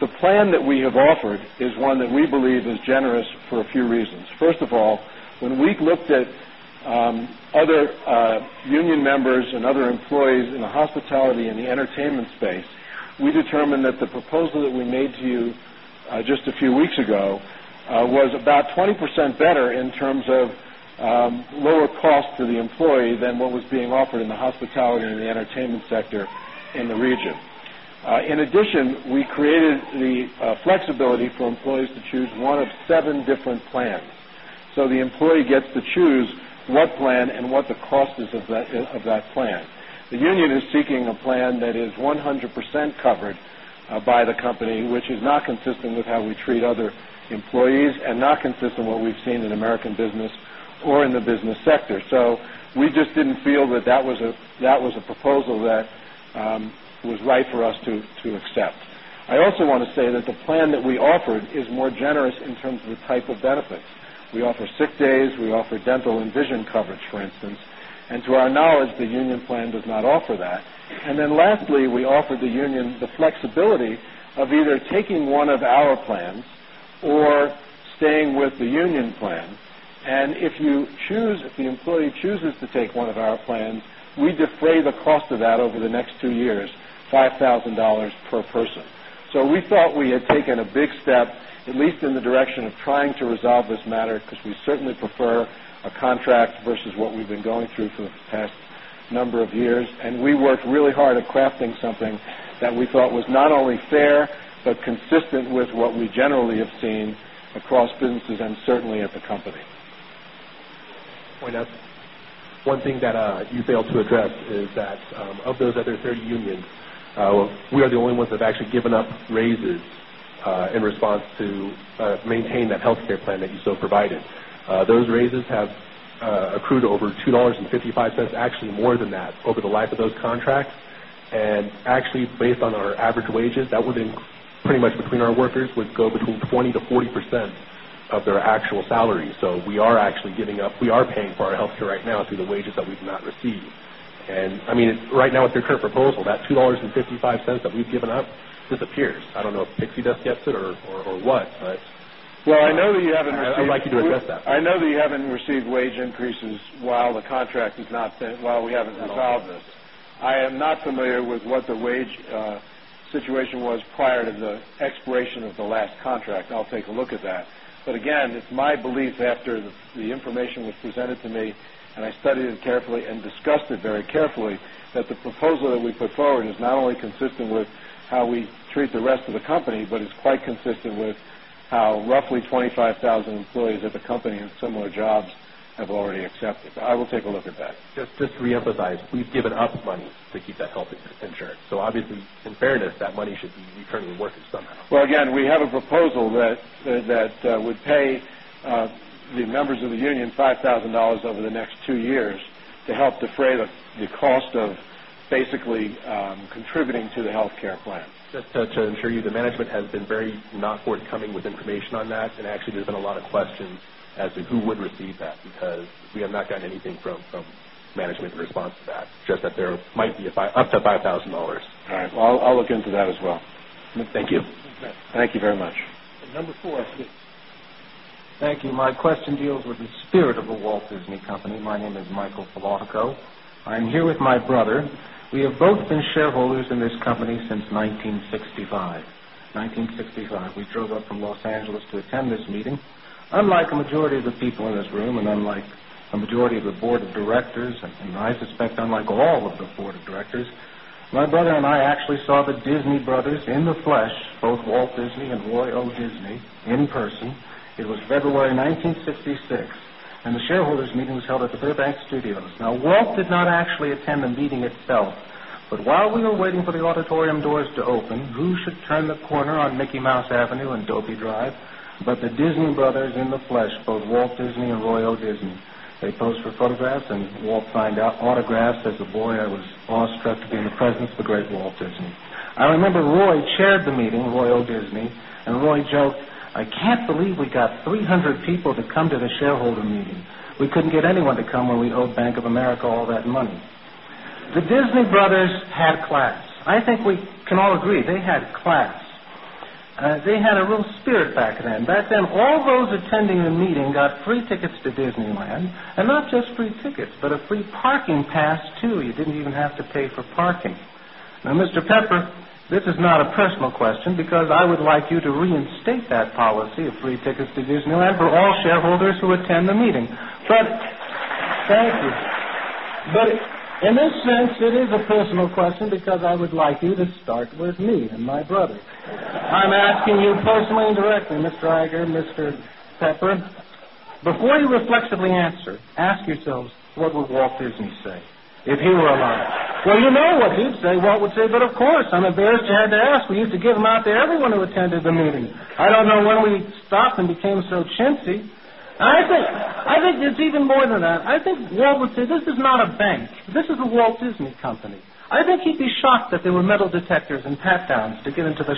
The plan that we have Crawford is one that we believe is generous for a few reasons. First of all, when we looked at, other union members and other employees Pettit. Better in terms of lower cost to the employee than what was being offered in the hospitality and the entertainment sector in the region. In addition, We created the flexibility for employees to choose 1 of 7 different plans. So the employee gets to choose what plan and what the cost is The union is seeking a plan that is 100% covered by the company, which is not consistent with how we treat other employees and not consistent with what we've seen in American business or in the business sector. So we just didn't feel that, That was a proposal that, was right for us to accept. I also want to say that the plan that we offered is more generous in terms of the type of benefits. We offer sick days. We offer dental and vision coverage, for instance. And to our knowledge, the union plan does not offer that. And then Pepper. So we thought we had taken a big step at least in the direction of trying to resolve this matter because we certainly prefer Pembina. Those raises have accrued over $2.55 actually more than that over the life of those And actually based on our average wages that would pretty much between our workers would go between 20% to 40% of their actual salaries. So we are Peck. We are paying for our health care right now through the wages that we've not received. And I mean, right now with your current proposal, that $2.55 that we've given up disappears. I don't know If you don't guess it or what, but Well, I know that you haven't received I'd like you to address that. I know that you haven't received wage increases while the contract has not Well, we haven't resolved this. I am not familiar with what the wage situation was prior to the expiration of we put forward is not only consistent with how we treat the rest of the company, but it's quite consistent with how roughly 25,000 employees at the company and similar jobs I've already accepted that. I will take a look at that. Just to reemphasize, we've given up money to keep that health insurance. So obviously, in Peppert. That money should be currently working somehow. Well, again, we have a proposal that would pay the members of the union $5,000 over the next 2 years To help defray the cost of basically, contributing to the health care plan. To ensure you, the management has been very not forthcoming with Up to $5,000 All right. Well, I'll look into that as well. Thank you. Thank you very much. Number 4. Thank you. My The people in this room and unlike a majority of the Board of Directors and I suspect unlike all of the Board of Directors, my brother and I Peck. I actually saw the Disney Brothers in the flesh, both Walt Disney and Royal Disney in person. It was February 1966 and the shareholders meeting was held at the Peck. Now Walt did not actually attend the meeting itself. But while we were waiting for the auditorium doors to open, Drew should turn the corner on Mickey Mouse As a boy, I was awestruck to be in the presence of the great Walt Disney. I remember Roy chaired the meeting, Royal Disney, and Roy joked, I can't believe We got 300 people to come to the shareholder meeting. We couldn't get anyone to come where we owed Bank of America all that money. The Disney Brothers had class. I think Peppert. In this sense, it is a personal question because I would like you to start with me and my brother. I'm asking you personally and directly, Mr. Iger, Pepper. Before you reflexively answer, ask yourselves, what would Walt Disney say if he were Well, you know what he'd say. Walt would say, but of course, I'm embarrassed to have to ask. We used to give them out to everyone who attended the meeting. I don't know when we stopped and I think it's even more than that. I think Walt would say this is not a bank. This is a Walt Disney Company. I think he'd be shocked that there were Pepper. Metal detectors and pat downs to get into the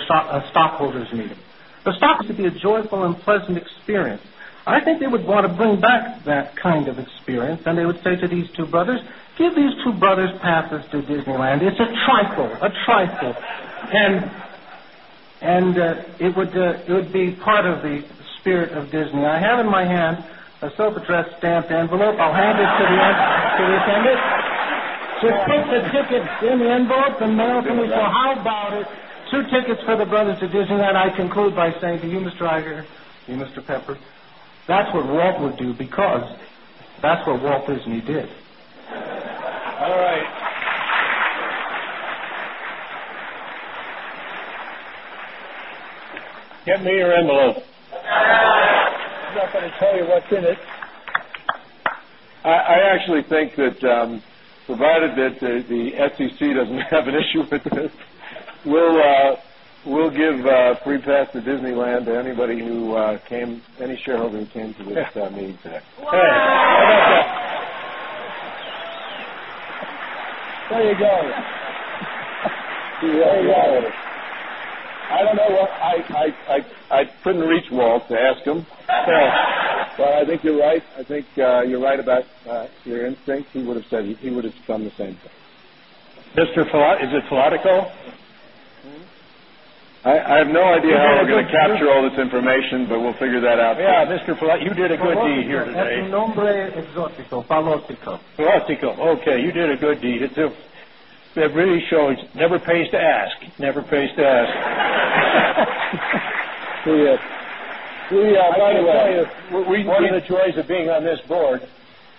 stockholders' meeting. The stock should be a joyful and pleasant experience. I think they would want Bring back that kind of experience. And they would say to these 2 brothers, give these 2 brothers passes to Disneyland. It's a trifle, a trifle. And And it would be part of the spirit of Disney. I have in my hand a soap address stamped envelope. I'll hand it to the Pepper. So I spoke the tickets in the envelope and mailed them as well. How about it? Two tickets for the brothers to Disney. And I conclude by saying to you, mister Eiger, to you, Pepper. That's what Walt would do because that's what Walt Disney did. Alright. I actually think that provided that the SEC doesn't have an issue with this, We'll give free pass to Disneyland to anybody who came any shareholder who came to this. I couldn't reach Walt to ask him. So I think you're right. I think you're right about your instincts. He would have said he would have done the same Mr. Filatico, is it Filatico? I have no idea how we're going to capture all this information, but we'll figure that out. Yes, Mr. Filatico, you Never pays to ask. Never pays to ask. We are one of the joys of being on this Board.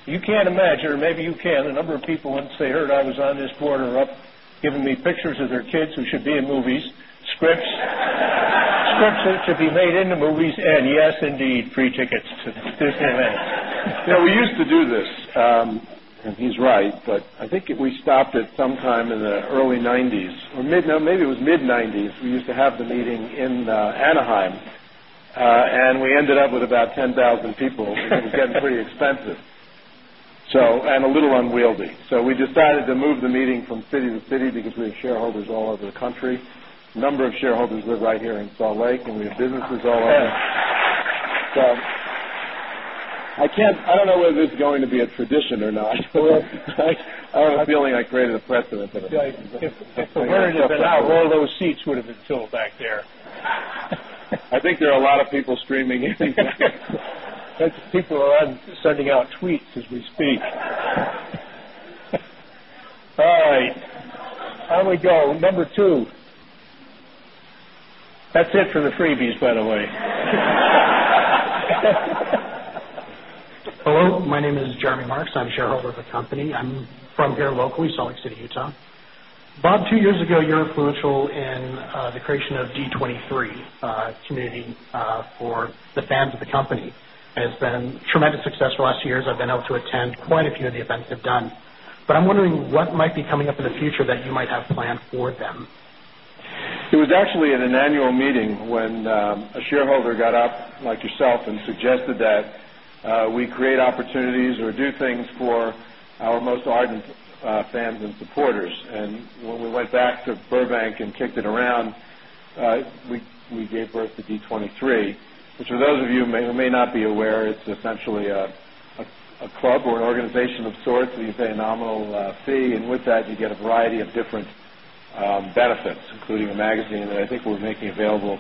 You can imagine, maybe you can, a number of people once they heard I was on this board are up giving me pictures of their kids who should be in movies, scripts, scripts that should be Pepper. Made in the movies and yes, indeed, free tickets to Disney events. We used to do this, and he's right. But I think Peck. We stopped it sometime in the early 90s or mid maybe it was mid 90s. We used to have the meeting in Anaheim And we ended up with about 10,000 people. It was getting pretty expensive, so and a little unwieldy. So we decided to move the meeting from city to city because We have shareholders all over the country. A number of shareholders live right here in Salt Lake, and we have businesses all over. So I can't I don't know whether it's going to be a tradition or not. I'm feeling like creating a precedent. Where did it have been out? All those seats would have been filled back there. I think there are a lot of people streaming. People are sending out tweets I'm from here locally, Salt Lake City, Utah. Bob, 2 years ago, you're influential in the creation of D23 community for the fans of the company. It has been tremendous success for the last years. I've been able to attend quite a few of the events I've done. But I'm wondering what might It was actually in an annual meeting when a shareholder got up like yourself and suggested that Pepperidge. We gave birth to D23, which for those of you who may not be aware, it's essentially A club or an organization of sorts where you pay a nominal fee and with that you get a variety of different benefits including a magazine that I think Peck. We're making available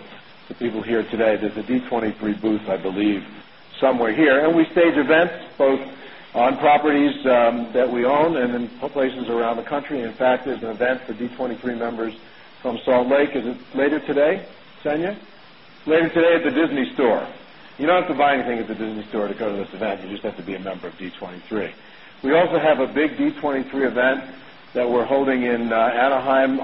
to people here today. There's a D23 booth, I believe, somewhere here. And we stage events, both on properties, that we own and in Pepper. Sure. You don't have to buy anything at the Disney store to go to this event. You just have to be a member of D23. We also have a big D23 event that we're holding in Anaheim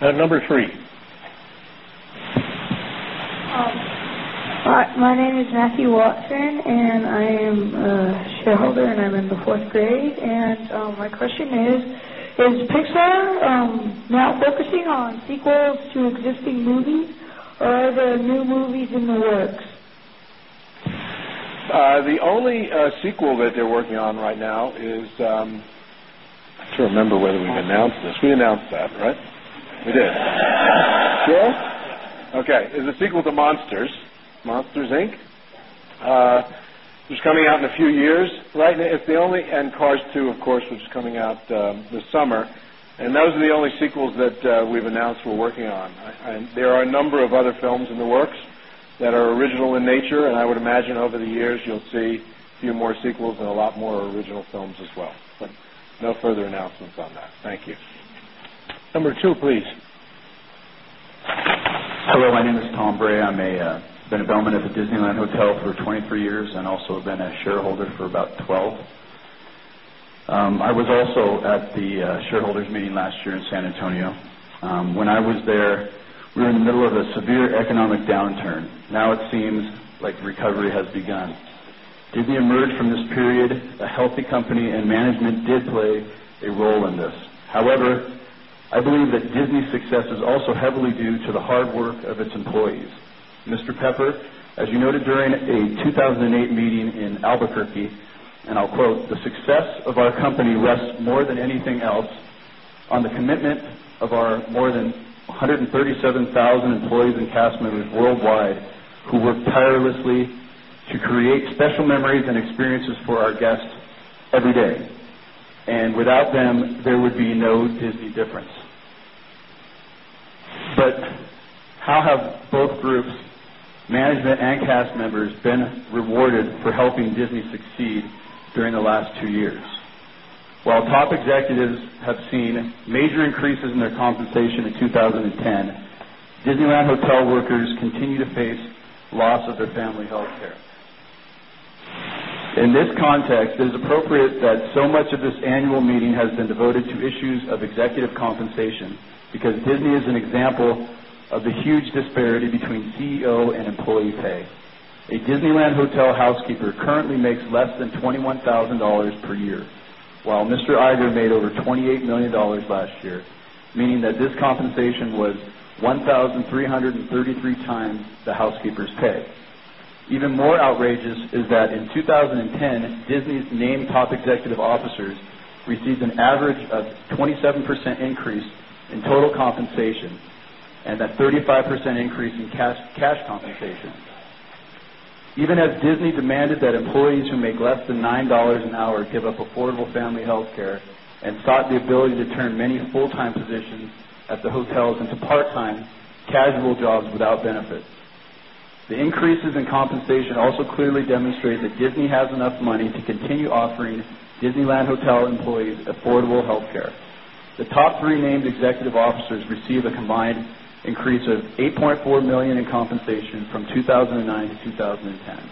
My name is Matthew Watson and I am a shareholder and I'm in the 4th grade. And The only sequel that they're working on right now is Remember whether we announced this. We announced that, right? We did. Okay. It's a sequel to Monsters, Pepper, Inc. Is coming out in a few years, right? It's the only and Cars 2, of course, which is coming out this summer. And those are Only sequels that we've announced we're working on. There are a number of other films in the works that are original in nature and I would imagine over the years you'll see Now it seems like recovery has begun. Disney emerged from this period, a healthy company and management did play a role in this. However, Pepper. I believe that Disney's success is also heavily due to the hard work of its employees. Mr. Pepper, as you noted during meeting in Albuquerque and I'll quote, the success of our company rests more than anything else on the commitment Pepper. Both groups, management and cast members been rewarded for helping Disney succeed during the last 2 years. While top executives have seen In this context, it is appropriate that so much of this annual meeting has been devoted to issues of executive compensation because Disney is an example of the Pepper. A Disneyland hotel housekeeper currently makes less than $21,000 per year, While Mr. Iger made over $28,000,000 last year, meaning that this compensation was 1333 times the housekeeper's pay. Even more outrageous is that in 2010, Disney's named top executive officers received an average of 27% Penn. Employees who make less than $9 an hour give up affordable family healthcare and sought the ability to turn many full time positions at the hotels into Peck. Part time, casual jobs without benefits. The increases in compensation also clearly demonstrate that Disney has enough money to continue offering Disneyland Hotel Employees Affordable Healthcare. The top three named executive officers received a combined increase of 8,400,000 Pepper. Compensation from 2,009 to 2010.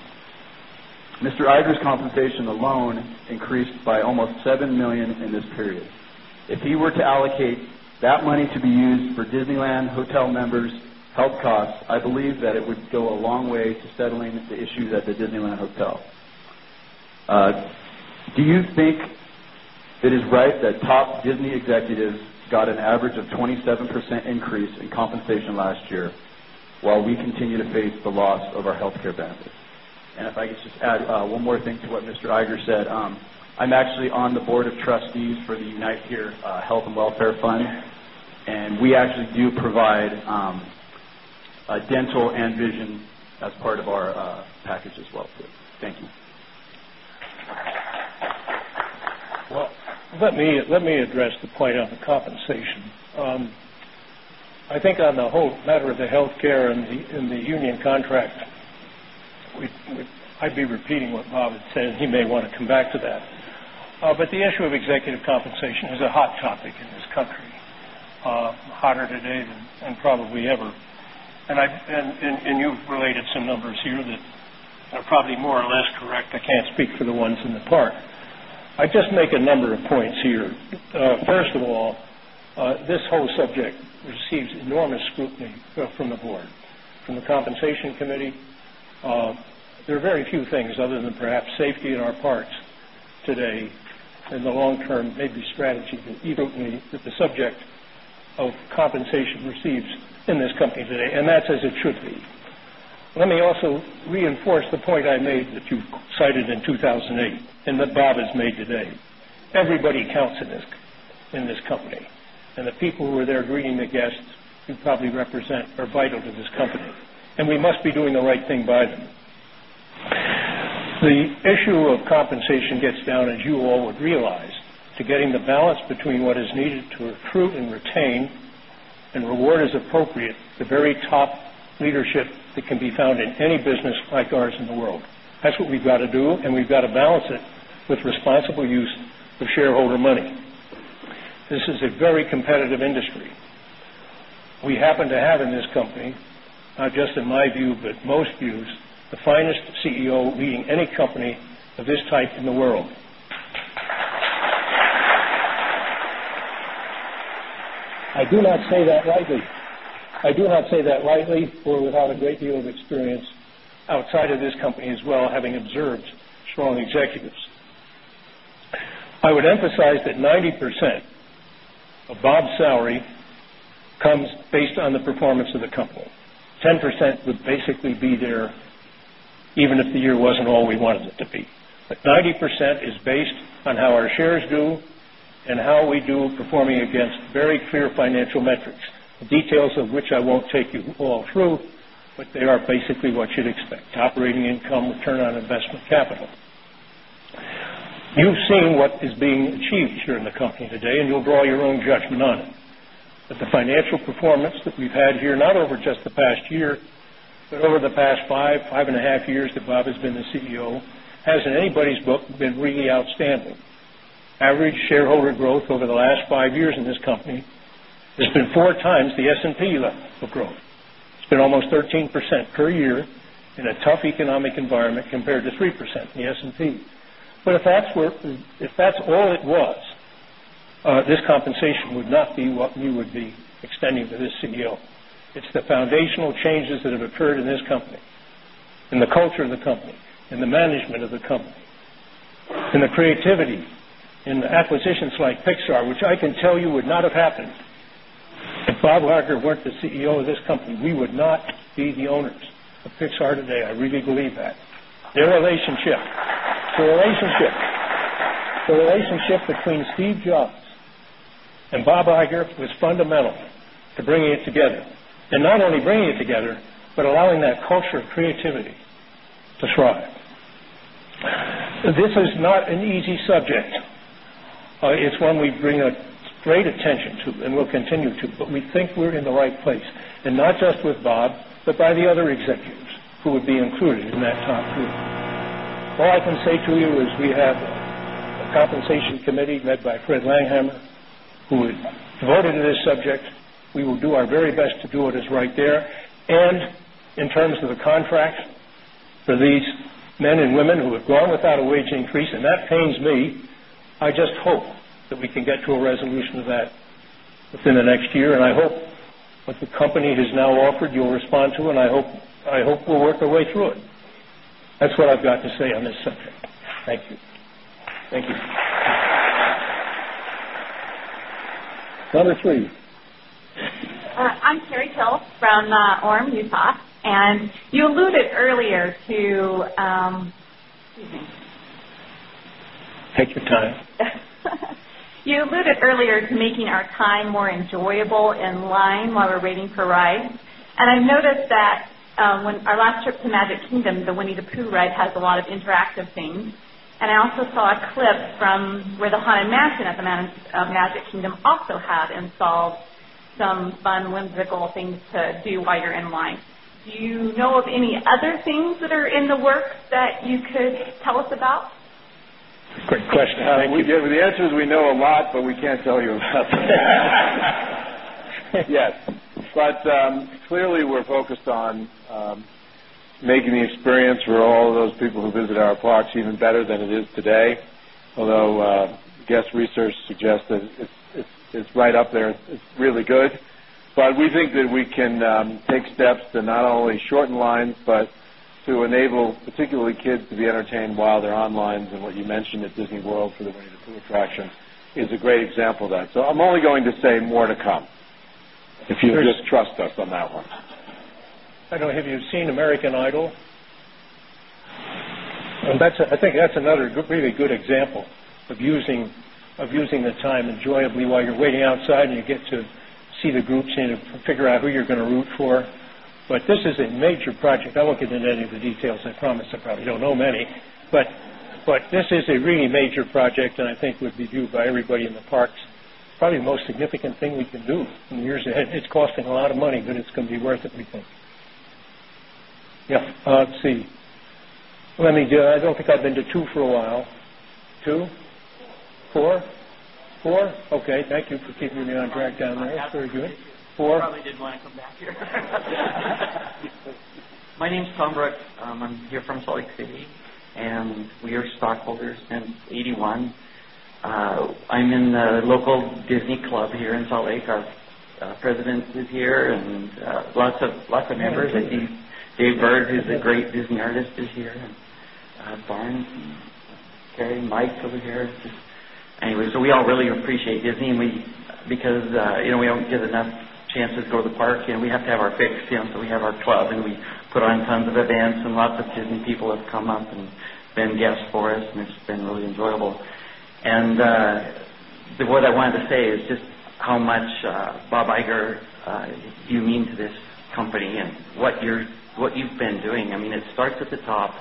Mr. Iger's compensation alone increased by almost $7,000,000 in this period. If he Pettit. Got an average of 27% increase in compensation last year, while we continue to face the loss of our health Pepper. And if I could just add one more thing to what Mr. Iger said. I'm actually on the Board of Trustees for the United Care Health and Welfare Fund. And we actually do provide dental and vision as part of our package as well. Thank you. Pepper. I think on the whole matter of the healthcare and the union contract, I'd be repeating what Bob had said. He may want to come back to that. But The issue of executive compensation is a hot topic in this country, hotter today than probably ever. And I and you've related some numbers here that are probably more or less correct. I can't speak for the ones in the park. I'd just make a number of points First of all, this whole subject receives enormous scrutiny from the Board, from the Compensation Strategy that you don't need is the subject of compensation received in this company today and that's as it should be. Let me also reinforce the point I made that you cited in 2,008 and that Bob has made today. Pepper. Everybody counts in this company. And the people who are there greeting the guests who probably represent are vital to this company. And we Pettit. As needed to recruit and retain and reward as appropriate the very top leadership that can be found in any business like ours in the world. That's what we've got to do Pettit. Not just in my view, but most views, the finest CEO leading any company of this type I do not say that rightly, for I would emphasize that 90% of Bob's salary comes based on the performance of the company. 10% would basically be there Peck. The details of which I won't take you all through, but they are basically what you'd expect, operating income, return on investment capital. You've seen what is being achieved here in the company today and you'll draw your own judgment on it. But the financial Peck. The performance that we've had here not over just the past year, but over the past 5, 5.5 years that Bob has been the CEO has in anybody's book been really outstanding. Pepper. Average shareholder growth over the last 5 years in this company has been 4 times the S and P level of growth. It's been almost Peck. 3% per year in a tough economic environment compared to 3% in the S and P. But if that's I really believe that. Their relationship, the relationship between Steve Jobs Peck. This is not an easy subject. It's one we bring a great attention to and we'll All I can say to you is we have a compensation committee led by Fred Langham, who is devoted to this subject. Pettit. We will do our very best to do what is right there. And in terms of the contract for these men and women who have gone without a wage increase, and that pains Pape. I just hope that we can get to a resolution of that within the next year and I hope what the company has Now offered, you'll respond to and I hope we'll work our way through it. That's what I've got to say on this subject. Thank you. Thank you. Pettit. I'm Terri Till from ORM, Utah. And You alluded earlier to making our time more enjoyable in line while we're waiting for rides. And I noticed that, when our last trip to Magic Kingdom, the Winnie the The answer is we know a lot, but we can't tell you about. Patton. Yes. But clearly, we're focused on making the experience Pepper. All of those people who visit our parks even better than it is today, although guest research suggests that It's right up there. It's really good. But we think that we can take steps to not only shorten lines, but to enable particularly kids to be entertained while they're online and what you mentioned at Disney World for the way to attract them is a great example of that. So I'm only going to say more to come, If you just trust us on that one. I don't know, have you seen American Idol? I think that's another really Pettit. Example of using the time enjoyably while you're waiting outside and you get to see the groups and figure out who you're going to root for. But this is a major project. I won't get into any of the details. I promise I probably don't know many. But Peck. I won't get into any of the details. I promise I probably don't know many. But this is a really major project and I think would be viewed by everybody in the parks. Probably the most significant thing Pepper. Dave Bird is a great Disney artist this year. And Barn, Carrie, Mike over here. Anyway, so We all really appreciate Disney and we because we don't give enough chances to go to the park and we have to have our fixed, so we have our club We put on tons of events and lots of Disney people have come up and been guests for us and it's been really enjoyable. And the word I wanted to say is just How much Bob Iger you mean to this company and what you've been doing. I mean, it starts at the top.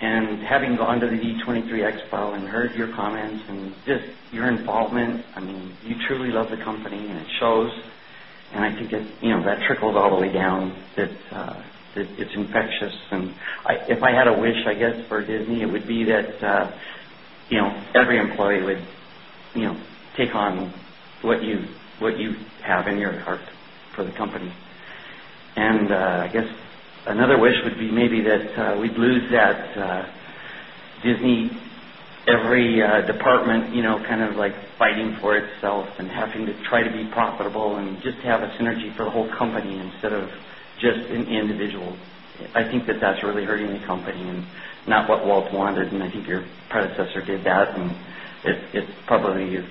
And having gone to the D23 Expo and heard your comments and just your involvement, I mean, you truly love the company and it shows. And I think that trickles all the way down that it's infectious. And if I had a wish, I guess, for Disney, it would be that Peppert. Every employee would take on what you have in your heart for the company. And I guess another wish would be maybe that we'd lose that Disney, every department I think that that's really hurting the company and not what Walt wanted and I think your predecessor did that and it's probably Pepper.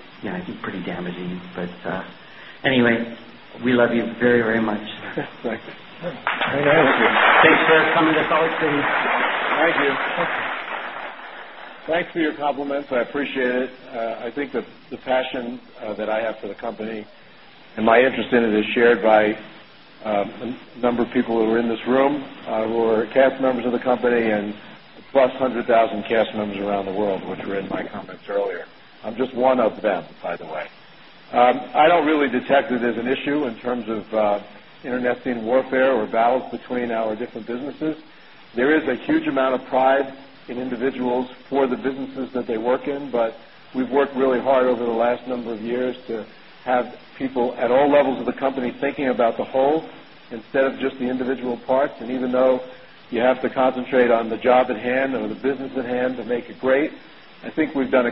Thanks for your compliments. I appreciate it. I think the passion that I have for the company And my interest in it is shared by a number of people who are in this room, who are cast members of the company and Peck. There is an issue in terms of internecine warfare or battles between our different businesses. There is a huge amount of pride in individuals Pepper.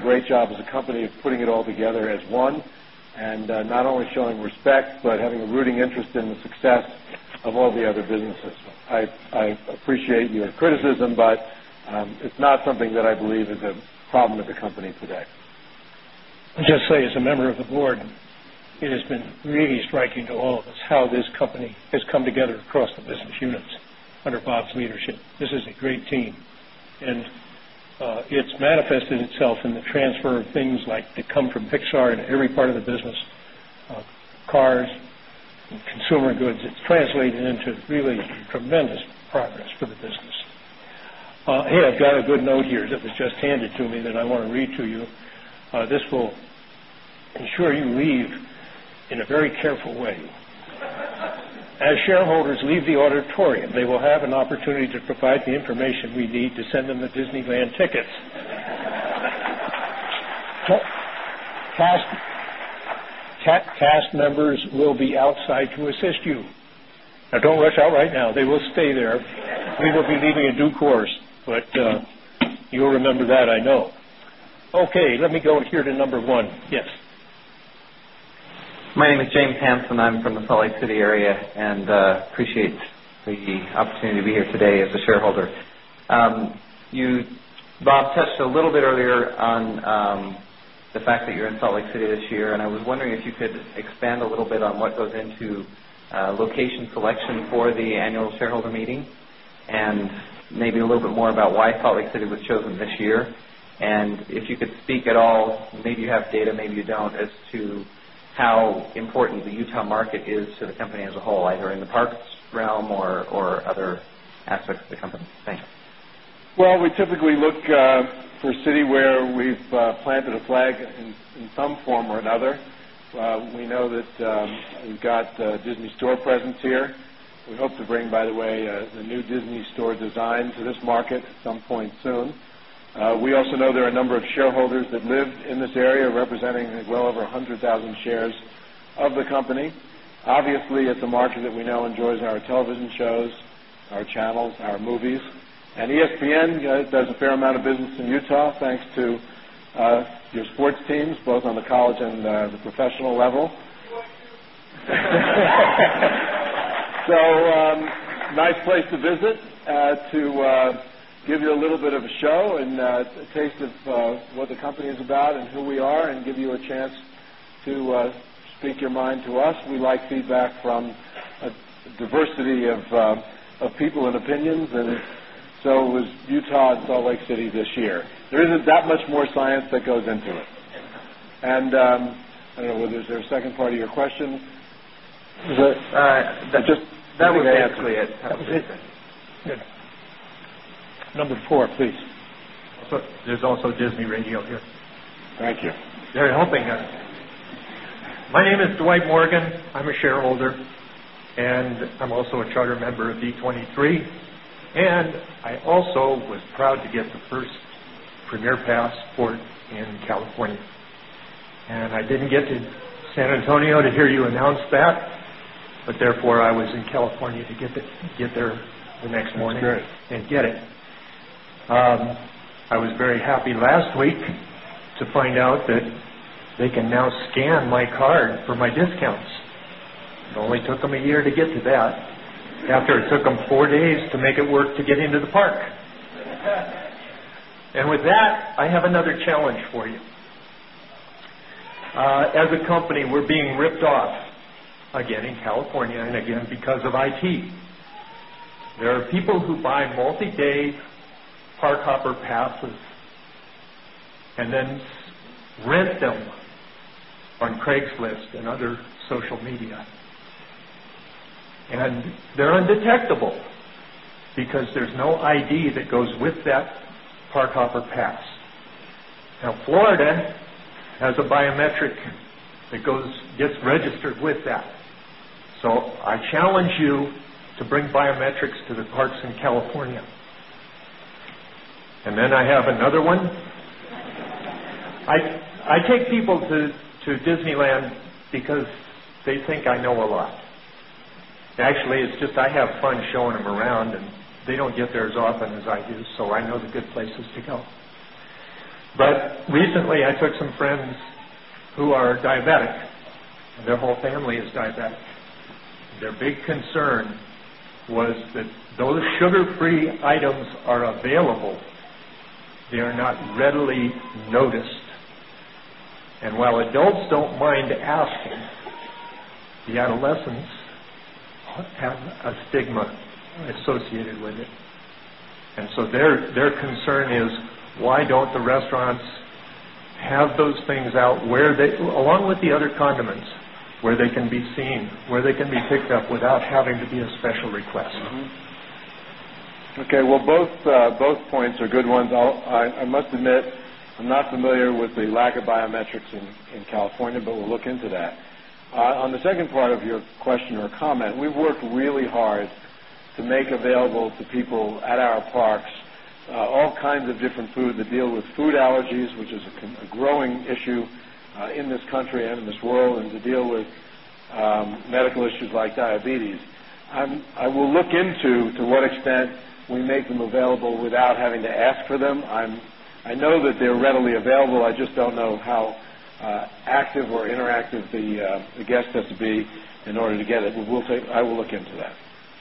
Great job as a company of putting it all together as one and not only showing respect, but having a rooting interest in the success of All the other businesses. I appreciate your criticism, but it's not something that I believe is a problem with the company today. Pepper. I'll just say as a member of the Board, it has been really striking to all of us how this company has come together across the business units Under Bob's leadership, this is a great team. And it's manifested itself in the transfer of things like that come from Pixar in Peck. As shareholders leave the auditorium, they will have an opportunity to provide the information we need to send them the Pettit. Cast members will be outside to assist you. Don't rush out right now. They will stay there. We will be leaving in due course, but you'll remember that I know. Okay. Let Peck. You Bob touched a little bit earlier on the fact that you're in Salt Lake City this year and I was wondering if you could expand And if you could speak at all, maybe you have data, maybe you don't as to how important the Utah market is to the company as a whole either in the parks Well, we typically look for a city where we've planted a flag in some form or another. We know that we've got a Disney store presence here. We hope to bring, by the way, Pepper. So, nice place to visit to give you a little bit of a show and a taste of what the company is People and opinions and so was Utah and Salt Lake City this year. There isn't that much more science that goes into it. And I don't know, is there a second part of your question? That would answer it. Pepperidge. Number 4, please. There's also Disney radio here. Thank you. They're helping us. My name is Dwight Morgan. I'm a shareholder and I'm also a charter member of B23. And I also was proud to get Pepper. And I didn't get to San Antonio to hear There are people who buy multi day hard hopper passes and then rent So I challenge you to bring biometrics to the parks in California. And then I have another one. Pepper. I take people to Disneyland because they think I know a lot. Actually, it's just I Have fun showing them around and they don't get there as often as I do. So I know the good places to go. But recently, Pettit. I took some friends who are diabetic. Their whole family is diabetic. Their big concern was that those sugar free Don't mind asking, the adolescents have a stigma associated with it. And so their Why don't the restaurants have those things out where they along with the other condiments, where they can be seen, Okay. Well, both points are good ones. I must admit, I'm not familiar with the lack of biometrics in California, but we'll look into that. On the second part I will look into to what extent we make them available without having to ask for them. I know that they're readily available. I just don't know how active or interactive the guest has to be in order to get it. We will take I will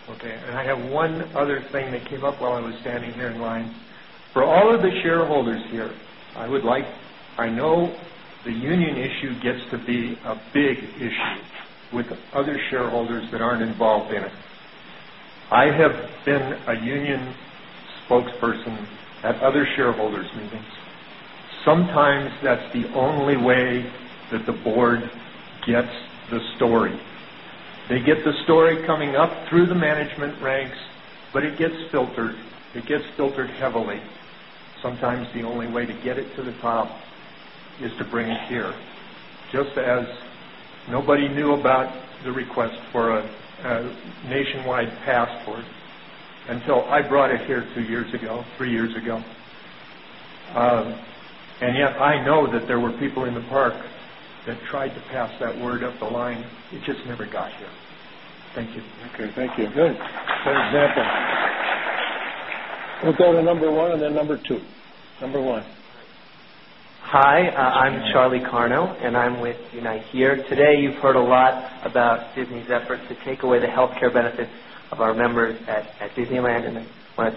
Okay. And I have one other thing that came up while I was standing here in line. For all of the shareholders here, I would like I I know that there were people in the park that tried to pass that word up the line. It just never got here. Thank you. Okay. Thank you. Good. Pettit. We'll go to number 1 and then number 2. Number 1. Hi, I'm Charlie Karno And I'm with Unite here. Today, you've heard a lot about Disney's efforts to take away the health care benefits of our members at Pepp. Disney Land's workers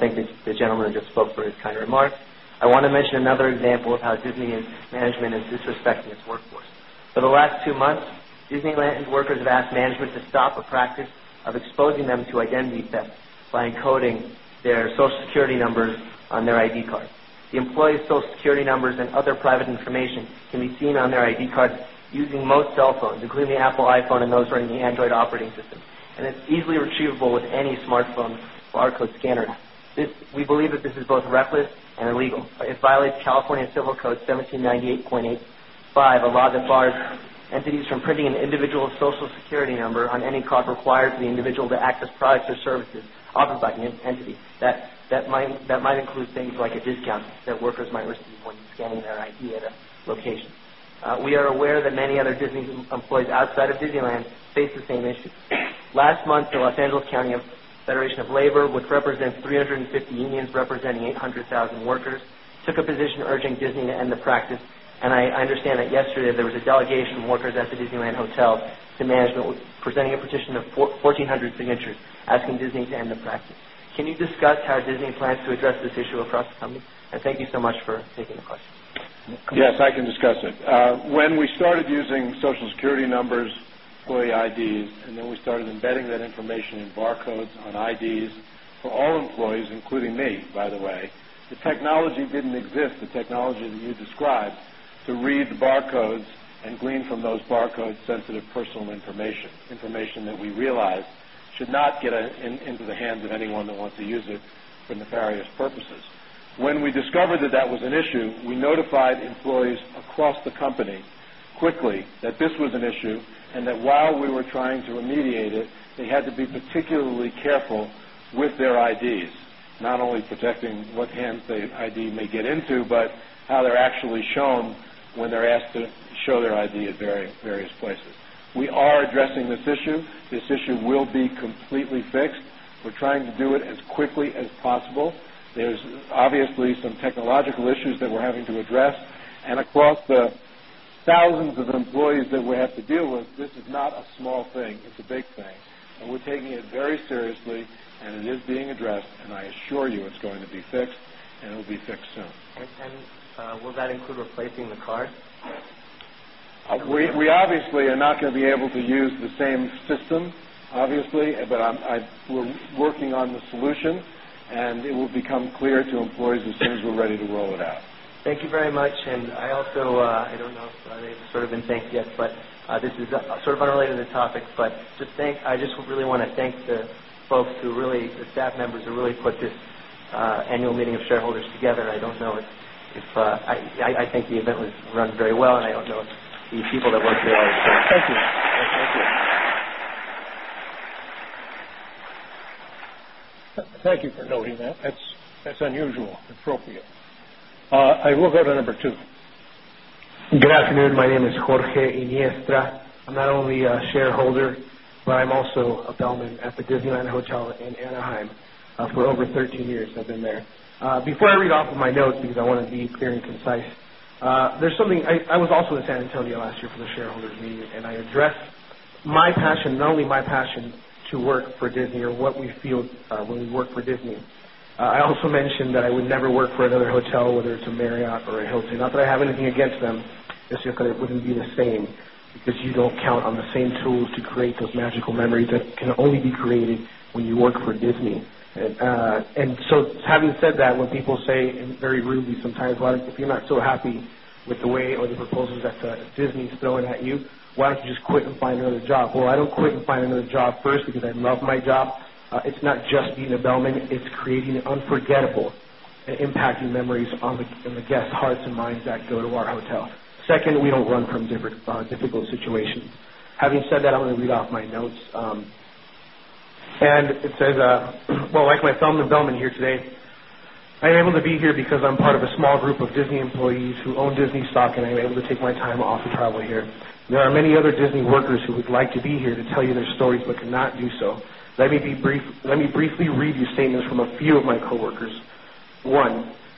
have asked management to stop a practice of exposing them to identity theft by encoding their Social Security numbers on their ID Pepper. The employee's Social Security numbers and other private information can be seen on their ID cards using most cell phones, including the Apple iPhone and those running the Android Pepper. And it's easily achievable with any smartphone barcode scanner. We believe that this is both reckless and illegal. It Pepper. The to access products or services offered by the entity that might include things like a discount that workers might receive when you're scanning their idea to Peppert. We are aware that many other Disney employees outside of Disneyland face the same issue. Last month, the Los Angeles County Federation of Labor, which represents 350 unions representing 800,000 workers took a position urging Disney to end the practice. And I understand that yesterday Peck. Can you discuss how Disney plans to address this issue across the company? And thank you so much for taking the question. Yes, I can discuss it. When we started using Social Security Peck. Technology didn't exist, the technology that you described to read the barcodes and glean from those barcodes sensitive personal Pettitrew. We notified employees across the company quickly that this was an issue and that while we were trying to remediate it, Peck. They had to be particularly careful with their IDs, not only protecting what handset ID may get into, but How they're actually shown when they're asked to show their ID at various places. We are addressing this issue. This issue will be Completely fixed. We're trying to do it as quickly as possible. There's obviously some technological issues that we're having to address and across the Thousands of employees that we have to deal with. This is not a small thing. It's a big thing. And we're taking it very seriously And it is being addressed and I assure you it's going to be fixed and it will be fixed soon. And will that include replacing the card? We obviously are not going to be able to use the same system, obviously, but I'm we're working on the solution and it will become clear Thank you very much. And I also, I don't know if they've sort of been thanked yet, but this is Sort of unrelated to the topic, but to thank I just really want to thank the folks who really the staff members who really put this annual meeting Petrone. Thank you for noting that. That's unusual, appropriate. I will go to number 2. Good afternoon. My name is Jorge Iniesta. I'm not only a shareholder, but I'm also a bellman at the Disneyland Penn. Hotel in Anaheim for over 13 years I've been there. Before I read off of my notes because I want to be clear and concise, there's something I was also in San Antonio last year for the shareholders meeting and I addressed my passion, not only my passion to work for Disney or what we feel when we work for Disney. I also I would never work for another hotel, whether it's a Marriott or a Hilton, not that I have anything against them, just because it wouldn't be the same, Pepper. You don't count on the same tools to create those magical memories that can only be created when you work for Disney. And So having said that, when people say, and very rudely sometimes, if you're not so happy with the way or the proposals that Disney is throwing at you, why don't you just quit and find another job? Well, I don't I'm going to find another job first because I love my job. It's not just being a bellman. It's creating unforgettable and impacting memories And the guests' hearts and minds that go to our hotel. 2nd, we don't run from difficult situations. Having said that, I'm going to read And it says, well, like my film development here today, I am able to be here because I'm part of a small group of Penn. There are many other Disney workers who would like to be here to tell you their stories but cannot do so. Let me briefly I'll read you statements from a few of my coworkers. 1,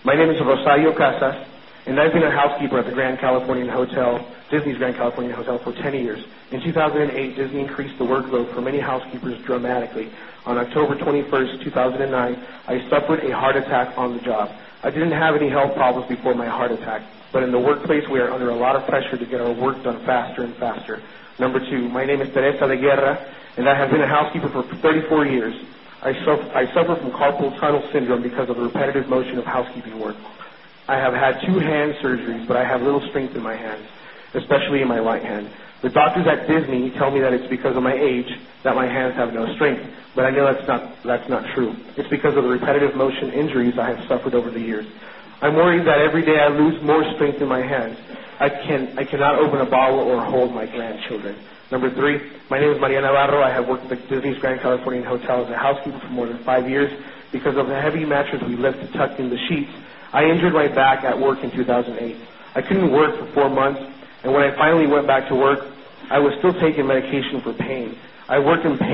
my name is Rosario Casas, and I've been a housekeeper at the Grand Californian Hotel Disney's Pepper. I didn't have any health problems before my heart attack, but in the workplace, we are under a lot of pressure to get our work done faster and faster. Number 2, my name is Teresa Petter, and I have been a housekeeper for 34 years. I suffer from carpal tunnel syndrome because of the repetitive motion of housekeeping work. I have had 2 hand surgeries, but I have little strength in my hands, especially in my light hand. The doctors at Disney tell me that it's because of my age that my hands have no strength, but I know that's That's not true. It's because of the repetitive motion injuries I have suffered over the years. I'm worrying that every day I lose more strength in my hands. I cannot Pepp. I injured my back at work in 2008. I couldn't work for 4 months. And when I finally went back to work, I was still taking medication for pain. I work in Peck.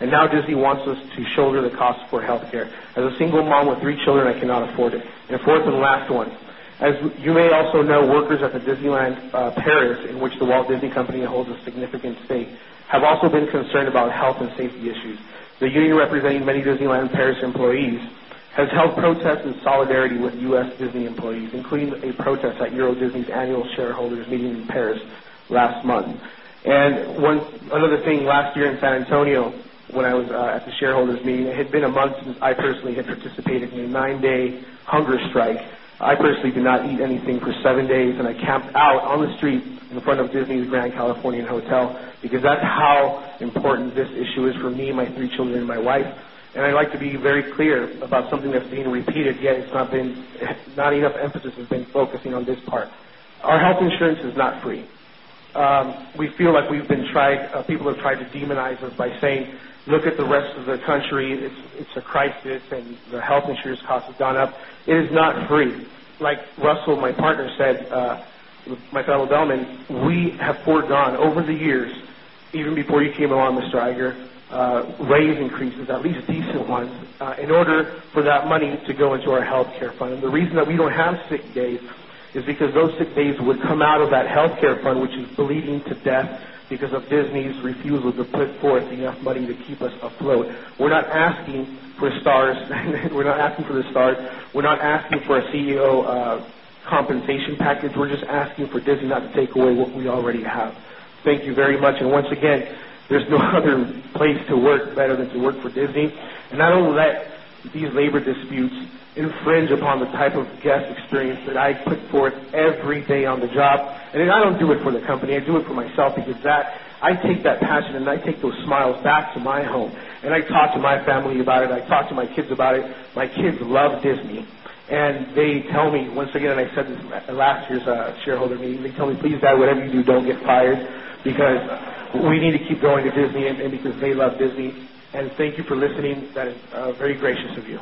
And now Disney wants us to shoulder the cost for health care. As a single mom with 3 children, I cannot afford it. And 4th and last one, as Pemberton. The union representing many Disneyland Paris employees has held protests in solidarity with U. S. Disney employees, including a protest at Euro Disney's Annual Shareholders Meeting Pepper last month. And one other thing, last year in San Antonio, when I was at the shareholders meeting, it had in front of Disney's Grand Californian Hotel because that's how important this issue is for me, my 3 children and my wife. And I'd like to be very clear about something that's being repeated yet it's not been not enough emphasis has been focusing on this part. Our health insurance is not free. Pepper. We feel like we've been tried people have tried to demonize us by saying, look at the rest of the country, it's a crisis and the health Before Don, over the years, even before you came along, Mr. Iger, rate increases, at least decent ones, in Peck. In order for that money to go into our health care fund, the reason that we don't have sick days is because those sick days would come out of that health care fund, which is bleeding Pepper. We're not asking for stars. Pettit. Once again, there's no other place to work better than to work for Disney. And I don't let these labor disputes Paschen. And I take those smiles back to my home and I talk to my family about it. I talk to my kids about it. My kids love Disney. And they tell me Once again, I accepted this last year's shareholder meeting. Please tell me, please that whatever you do, don't get fired because we need to keep going Pepper. And you can say love Disney. And thank you for listening. That is very gracious of you.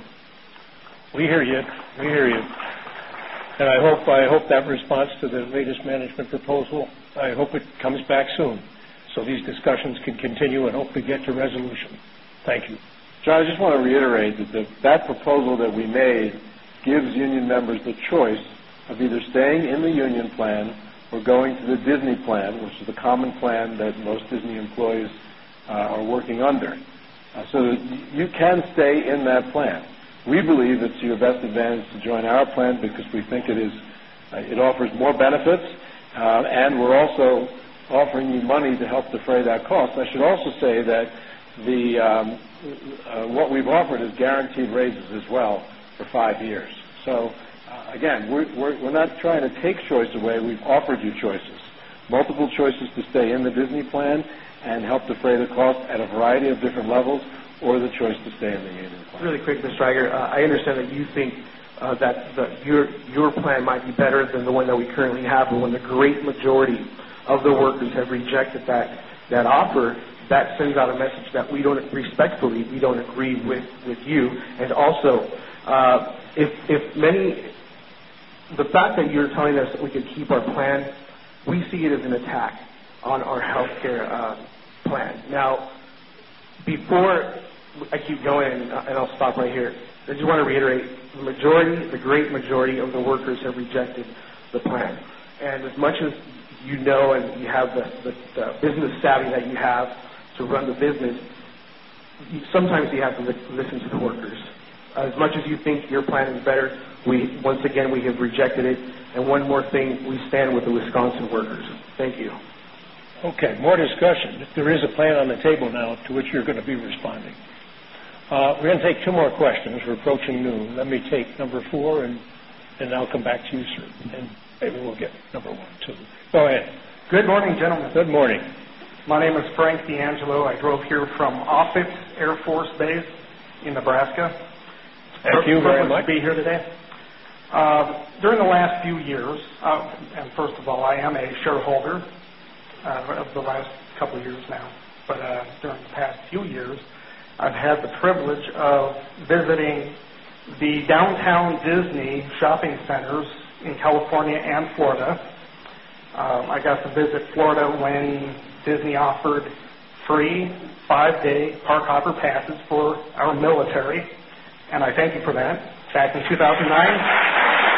We hear you. We hear you. And I hope I just want to reiterate that that proposal that we made gives union members the choice of either staying in the union plan or going to the Disney plan, which is Peppert plan. We believe it's your best advantage to join our plan because we think it is it offers more benefits, And we're also offering you money to help defray that cost. I should also say that the what we've offered is guaranteed raises as Pelle for 5 years. So again, we're not trying to take choice away. We've offered you choices, multiple choices to stay in the Disney plan Pettit, and help defray the cost at a variety of different levels or the choice to stay at the end of the quarter. Really quick, Mr. Reiger, I understand that you think Your plan might be better than the one that we currently have. But when the great majority of the workers have rejected that offer, That sends out a message that we don't respectfully, we don't agree with you. And also, if many The fact that you're telling us that we can keep our plan, we see it as an attack on our health care plan. Now Before I keep going and I'll stop right here, I just want to reiterate, the majority, the great majority of the workers have rejected Pepper. And as much as you know and you have the business savvy that you have to run the business, sometimes you have to Pepper. As much as you think your plan is better, we once again, we have rejected it. And one more thing, we stand with the Wisconsin workers. Thank you. Okay. More discussion. There is a plan on the table now to which you're going to be responding. We're going to take 2 more questions. We're approaching noon. Let me take number Pepper. And I'll come back to you, sir. And maybe we'll get number 1 too. Go ahead. Good morning, gentlemen. Good morning. My Pepper. During the last few years and first of all, I am a shareholder for the last Couple of years now, but during the past few years, I've had the privilege of visiting the Downtown Disney Shopping Peppert in California and Florida. I got to visit Florida when Disney offered free 5 Peck. And I thank you for that, back in 2009.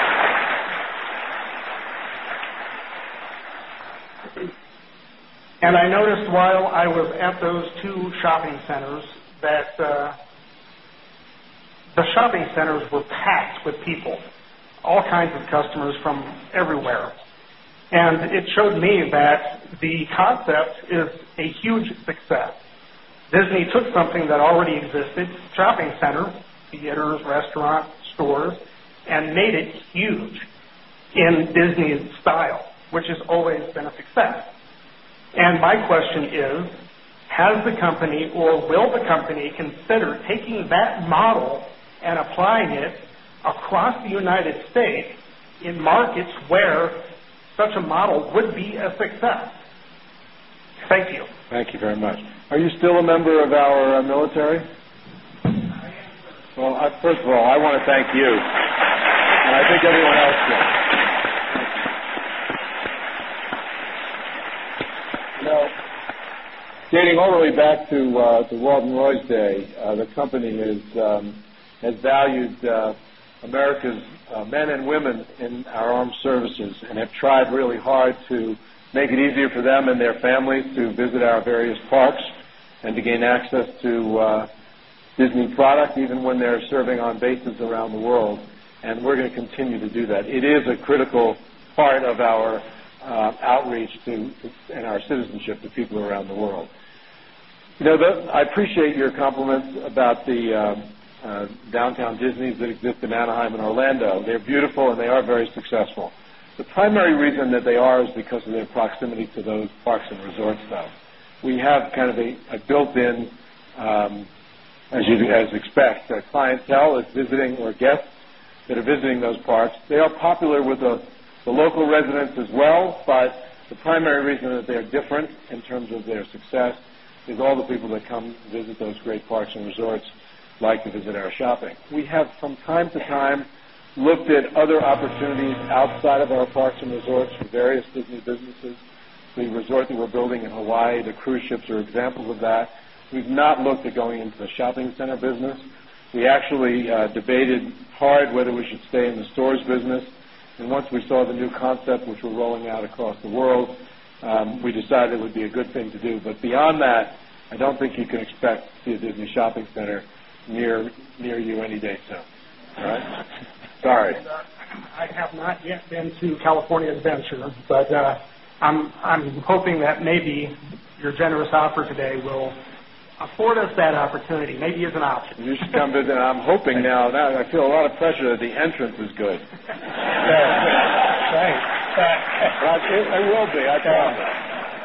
And I noticed while I was at those 2 shopping centers that It showed me that the concept is a huge success. Disney took something that already existed, Thank you very much. Are you still a member of our military? I am. Well, First of all, I want to thank you. And I think everyone else Dating all the way back to the Walt and Roy's day, the company has valued America's men and women in our armed services and have tried really hard to make it easier for them and their families to visit our various parks And to gain access to Disney product even when they're serving on bases around the world and we're going to continue to do that. It is a critical part of Pepper. About the Downtown Disneys that exist in Anaheim and Orlando. They're beautiful and they are very successful. The primary reason that they are is because of their proximity to those parks and resorts though. We have kind of a built in, Pepper. Well, residents as well, but the primary reason that they are different in terms of their success is all the people that come visit those great parks and resorts Peck. We have some time to time looked at other opportunities outside of our parks and resorts for various Disney businesses. Pepper. The resort that we're building in Hawaii, the cruise ships are examples of that. We've not looked at going into the shopping center business. We actually debated hard whether we should stay in the stores business. And once we saw the new concept, which we're rolling out across the world, We decided it would be a good thing to do. But beyond that, I don't think you can expect to see a Disney shopping center near you any day. So, I will be.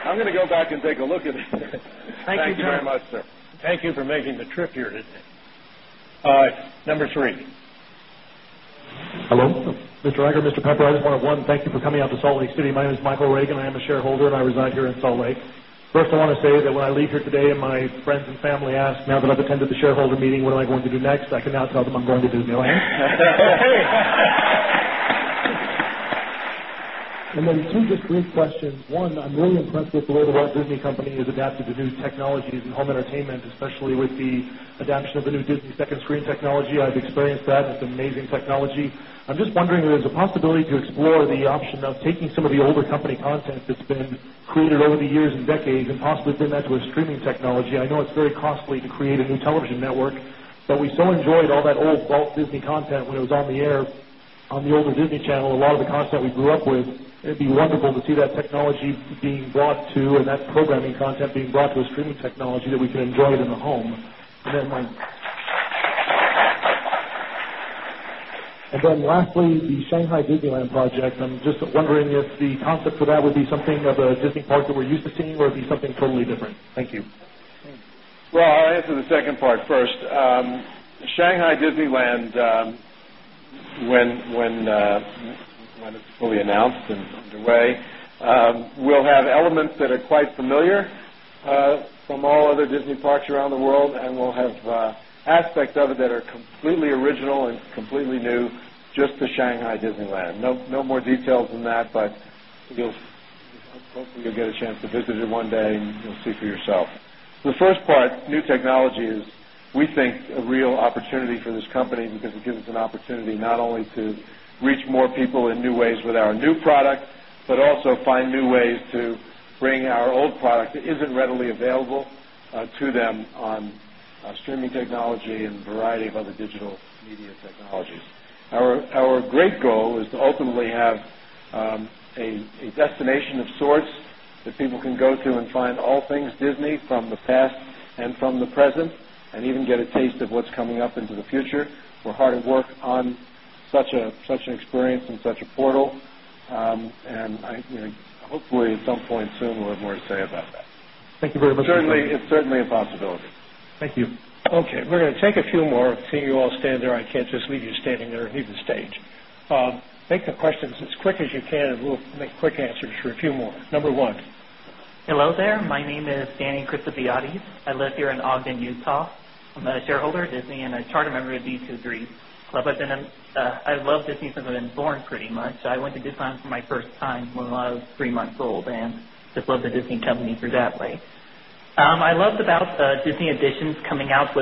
I'm going to go back and take a look at it. Thank you very much, sir. Thank you for making the Pepper. Hello. Mr. Eiger, Mr. Pepper, I just want to thank you for coming out to Salt Lake City. My name is Michael I'm a shareholder and I reside here in Salt Lake. First, I want to say that when I leave here today and my friends and family ask now that I've attended the shareholder meeting, what am I going to do next? I can now tell them Pepper. The Disney Company has adapted to new technologies in home entertainment, especially with the adoption of the new Disney second screen technology. I've experienced that. It's amazing I'm just wondering if there's a possibility to explore the option of taking some of the older company content that's been created over the years decades and possibly Pep. We've been that with streaming technology. I know it's very costly to create a new television network, but we so enjoyed all that old Walt Disney content when it was on the air on the older Disney Channel, a lot of And then lastly, the Shanghai Disneyland project. I'm just wondering if the concept for that would be something of a Disney park that Pepper. Well, I'll answer the second part first. Shanghai Disneyland, When it's fully announced and underway, we'll have elements that are Peck. Familiar from all other Disney Parks around the world and will have aspects of it that are completely original and completely new Just to Shanghai Disneyland. No more details than that, but you'll get a chance to visit it one day and you'll see for yourself. The First part, new technology is, we think, a real opportunity for this company because it gives us an opportunity not only to reach more people in new ways with our new product, also find new ways to bring our old product that isn't readily available to them on streaming technology and a variety of other digital Pepper. Our great goal is to ultimately have a destination of sorts That people can go through and find all things Disney from the past and from the present and even get a taste of what's coming up into the future. We're hard at work on Such an experience and such a portal. And hopefully at some point soon we'll have more to say about that. Thank you very much. Peck. Certainly a possibility. Thank you. Okay. We're going to take a few more. Seeing you all stand there, I can't just leave you standing underneath the stage. Take the questions as quick as you can and we'll make quick answers for a few more. Number 1. Hello there. My name is Danny Cristopiati. I Peck. I went to Disneyland for my first time when I was 3 months old and just love the Disney Company for that way. I loved about the Disney Editions coming out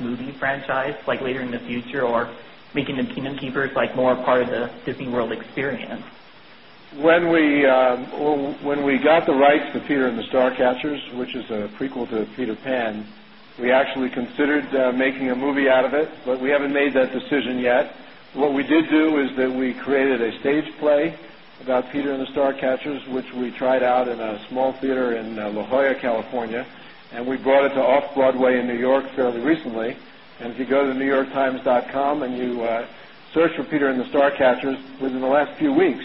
movie franchise like later in the future or making the Kingdom Keepers like more part of the Disney World experience. Pettit. What we did do is that we created a stage play about Peter and the Star Catchers, which we tried out in a small theater in Pepin. La Jolla, California and we brought it to off Broadway in New York fairly recently. And if you go to newyorktimes.com and you search for Peter and the Star Petrias. Within the last few weeks,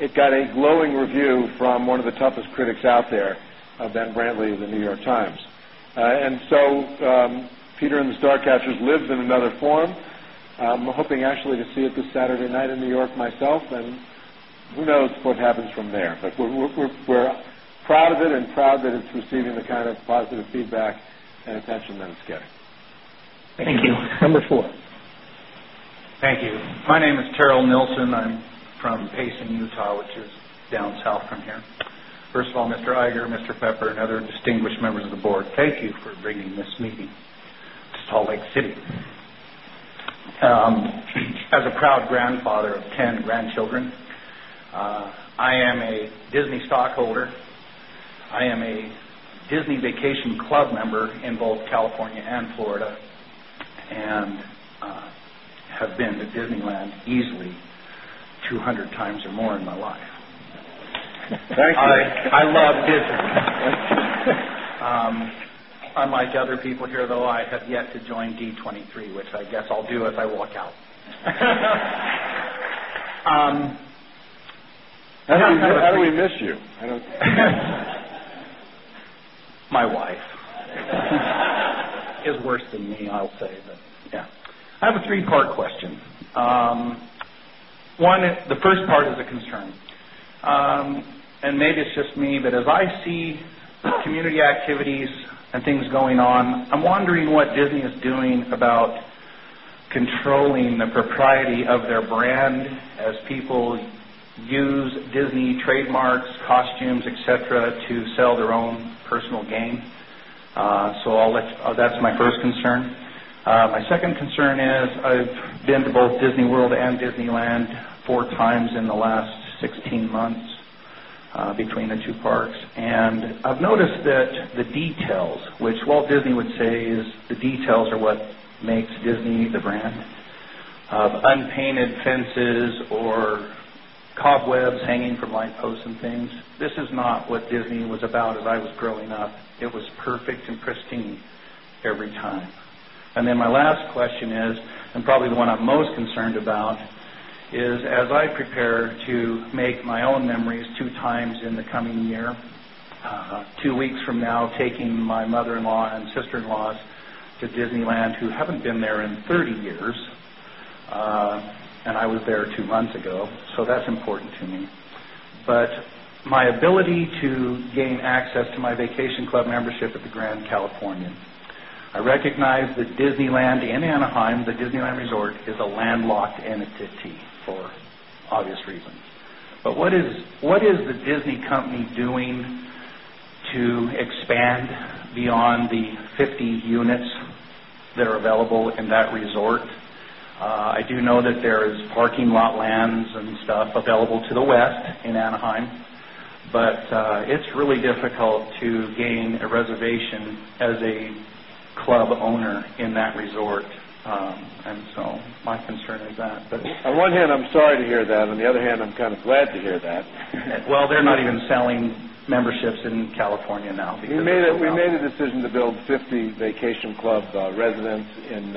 it got a glowing review from one of the toughest critics out there of Ben Brantley in The New York Times. And So, Peter and the Starcatchers lived in another form. We're hoping actually to see it this Saturday night in New York myself Pettit. Who knows what happens from there, but we're proud of it and proud that it's receiving the kind of positive feedback and attention that it's getting. Thank Pepper. Thank you. My name is Terrell Nielsen. I'm from Payson, Utah, which is down south from here. Pepper. First of all, Mr. Iger, Mr. Pepper and other distinguished members of the Board, thank you for bringing this meeting to Salt Lake City. As My wife is worse than me, I'll say. Yes. I have a 3 Penn. One, the first part is a concern. And maybe it's just me, but as I see community activities And things going on, I'm wondering what Disney is doing about controlling the propriety of their brand as people use trademarks, costumes, etcetera to sell their own personal game. So I'll let that's my first concern. My second concern is I've been to both Disney World and Disneyland 4 times in the last 16 months Between the two parks and I've noticed that the details, which Walt Disney would say is the Details are what makes Disney the brand. Unpainted fences or cobwebs Hanging from line posts and things. This is not what Disney was about as I was growing up. It was perfect and pristine every time. And then In Anaheim, the Disneyland Resort is a landlocked entity for obvious reasons. But what is the Disney Company On one hand, I'm sorry to hear that. On the other hand, I'm kind of glad to hear that. Well, they're not even selling memberships in California Pemberton. We made a decision to build 50 Vacation Club residents in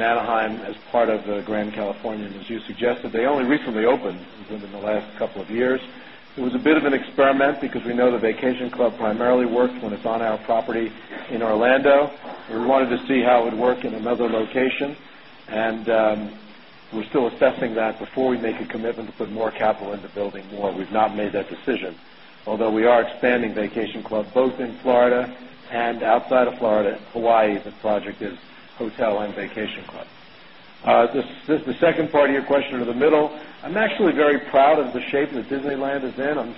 Anaheim as part of Grand California. And as you suggested, they only Pepper. It was a bit of an experiment because we know the Vacation Club primarily works when it's on our property In Orlando, we wanted to see how it would work in another location and we're still assessing that before we make a commitment Pepper. We've not made that decision, although we are expanding Vacation Club, both in Florida and outside of Florida, Hawaii, the project is Hotel and Vacation Club. This is the second part of your question to the middle. I'm actually very proud of the shape that Disneyland is in. I'm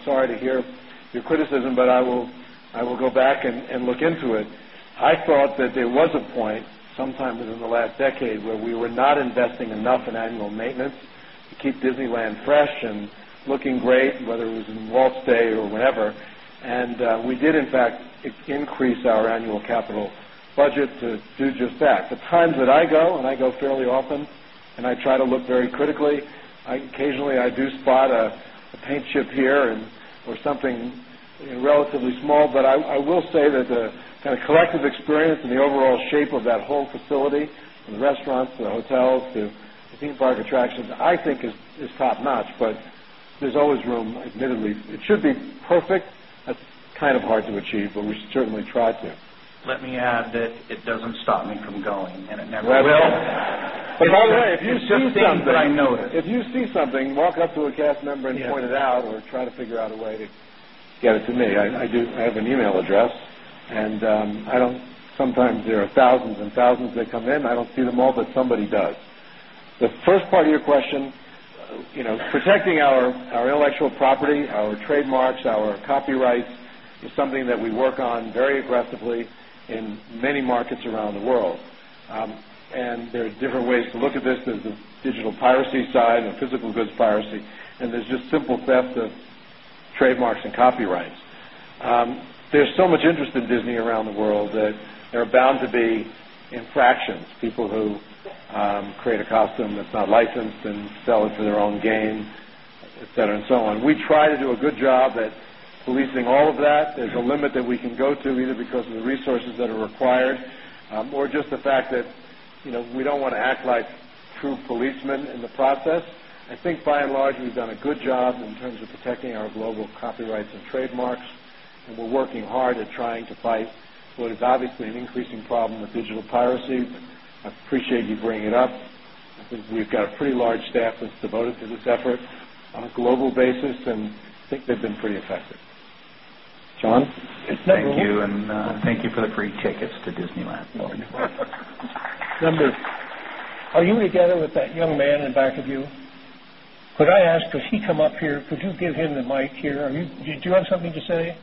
enough in annual maintenance to keep Disneyland fresh and looking great, whether it was in Walt's Day or whenever. And we did in fact Pepper. The times that I go and I go fairly often and I try to look very critically, Occasionally, I do spot a paint chip here and or something relatively small, but I will say that the kind of collective experience Peck. The overall shape of that whole facility, the restaurants, the hotels, the theme park attractions, I think is top notch, but there Pepper. We're trying to figure out a way to get it to me. I do I have an email address. And I don't sometimes there are 1,000 Penn. In Disney around the world that there are bound to be infractions, people who create a costume that's not licensed and sell it for their own gain, Etcetera and so on. We try to do a good job at policing all of that. There's a limit that we can go to either because of the resources that are required or just the fact that Peck. We've got a pretty large staff that's devoted to this effort on a global basis and I think they've been pretty effective. John? Thank you and thank you for the free tickets to Disneyland. Are you together with that young man in back of you? Could I ask, could he come up here? Could you give him the mic here? Do you have something to say,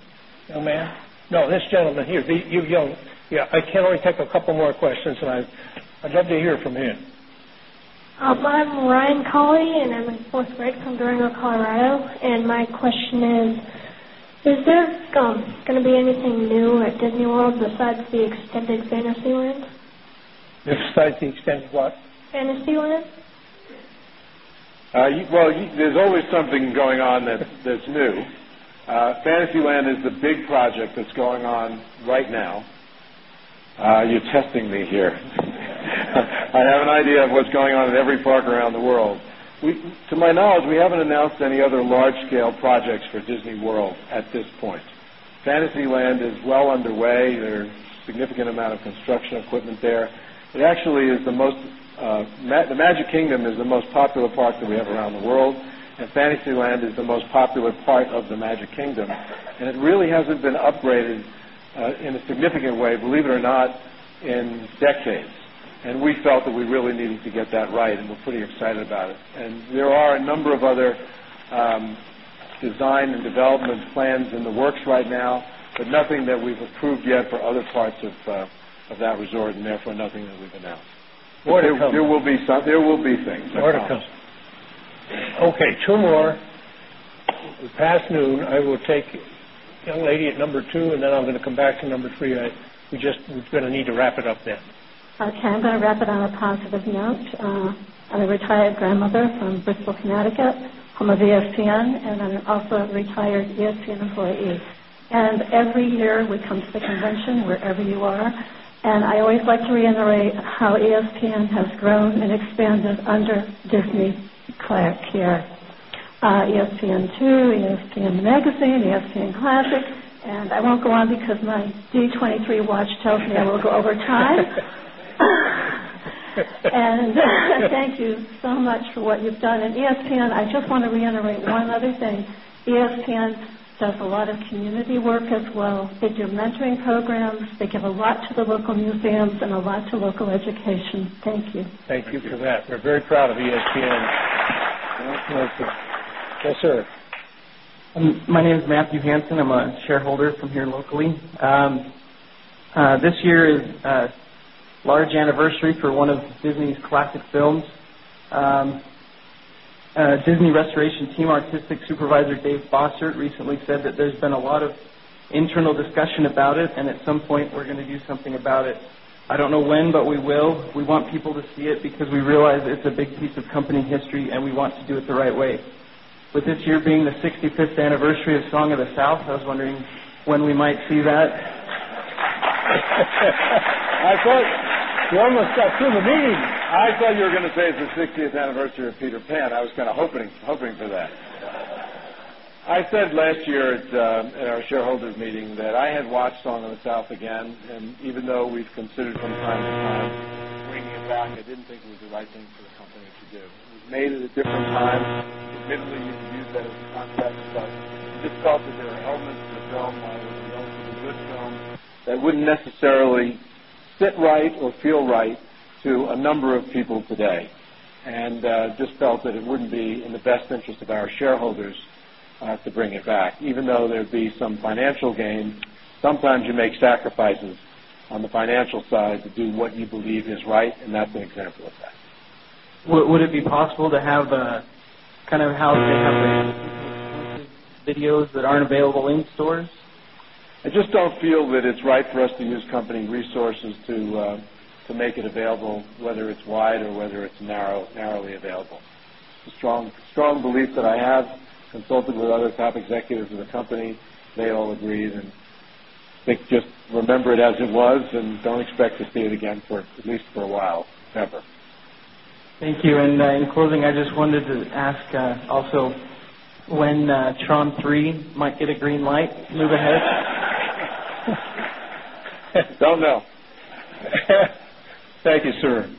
young man? No, this gentleman here. I can only take a couple more questions, and I'd love to hear from you. I'm Ryan Cauley and I'm in 4th Yes. Yes. Well, there's always something going on that's new. Fantasyland is the big project that's going on right now. You're testing me here. I have an idea of what's going on in every park around Pepper. Fantasyland is the most popular part of the Magic Kingdom and it really hasn't been upgraded in a significant way, believe it or not, in decades. And There will be things. Okay. 2 more. Past noon, I will take young lady at number 2 Pecan. I'm a guest, home of ESPN and I'm also a retired ESPN employee. And every year we come to the convention wherever you are. And I always like to Pappas. Thank you so much for what you've done. And ESPN, I just want to reiterate one other thing. ESPN does a lot of community work as well. They do programs, they give a lot to the local museums and a lot to local education. Thank you. Thank you for that. We're very proud of ESPN. My name is Matthew Hanson. I'm a shareholder from here locally. This year is a large anniversary for one of Disney's classic films. Disney Restoration Team artistic supervisor Dave Bossard recently said that there's been a lot of internal discussion about it and at some point we're going to do something about it. I don't know when, but we will. Song of the South. I was wondering when we might see that. I thought you almost got through the meeting. I thought you were going to say it's the 60th I had watched Song of the South again. And even though we've considered from time to time bringing it back, I didn't think it was the right thing for the company to do. We made it a different time. Pepper. That wouldn't necessarily sit right or feel right to a number of people today and just felt that it wouldn't be in the best interest of our shareholders To bring it back, even though there'd be some financial gain, sometimes you make sacrifices on the financial side to do what you believe Peck. It's a strong belief that I have, consulted with other top executives of the company. They all agree. And Pepper. Just remember it as it was and don't expect to see it again for at least for a while, ever. Thank you. And in closing, Don't know. Thank you, sir.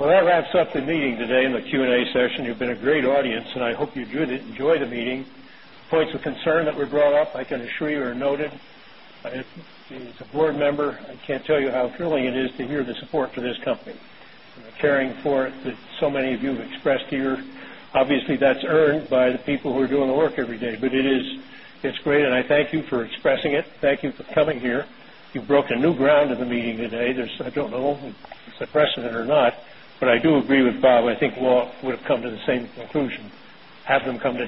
Well, that wraps up the meeting today and the Q I can't tell you how thrilling it is to hear the support for this company, caring for it that so many of you have expressed here. Obviously, that's by the people who are doing the work every day, but it is it's great and I thank you for expressing it. Thank you for coming here. You've broken a New ground in the meeting today. There's I don't know if it's a precedent or not, but I do agree with Bob. I think Walt would have come to the same conclusion, have them come to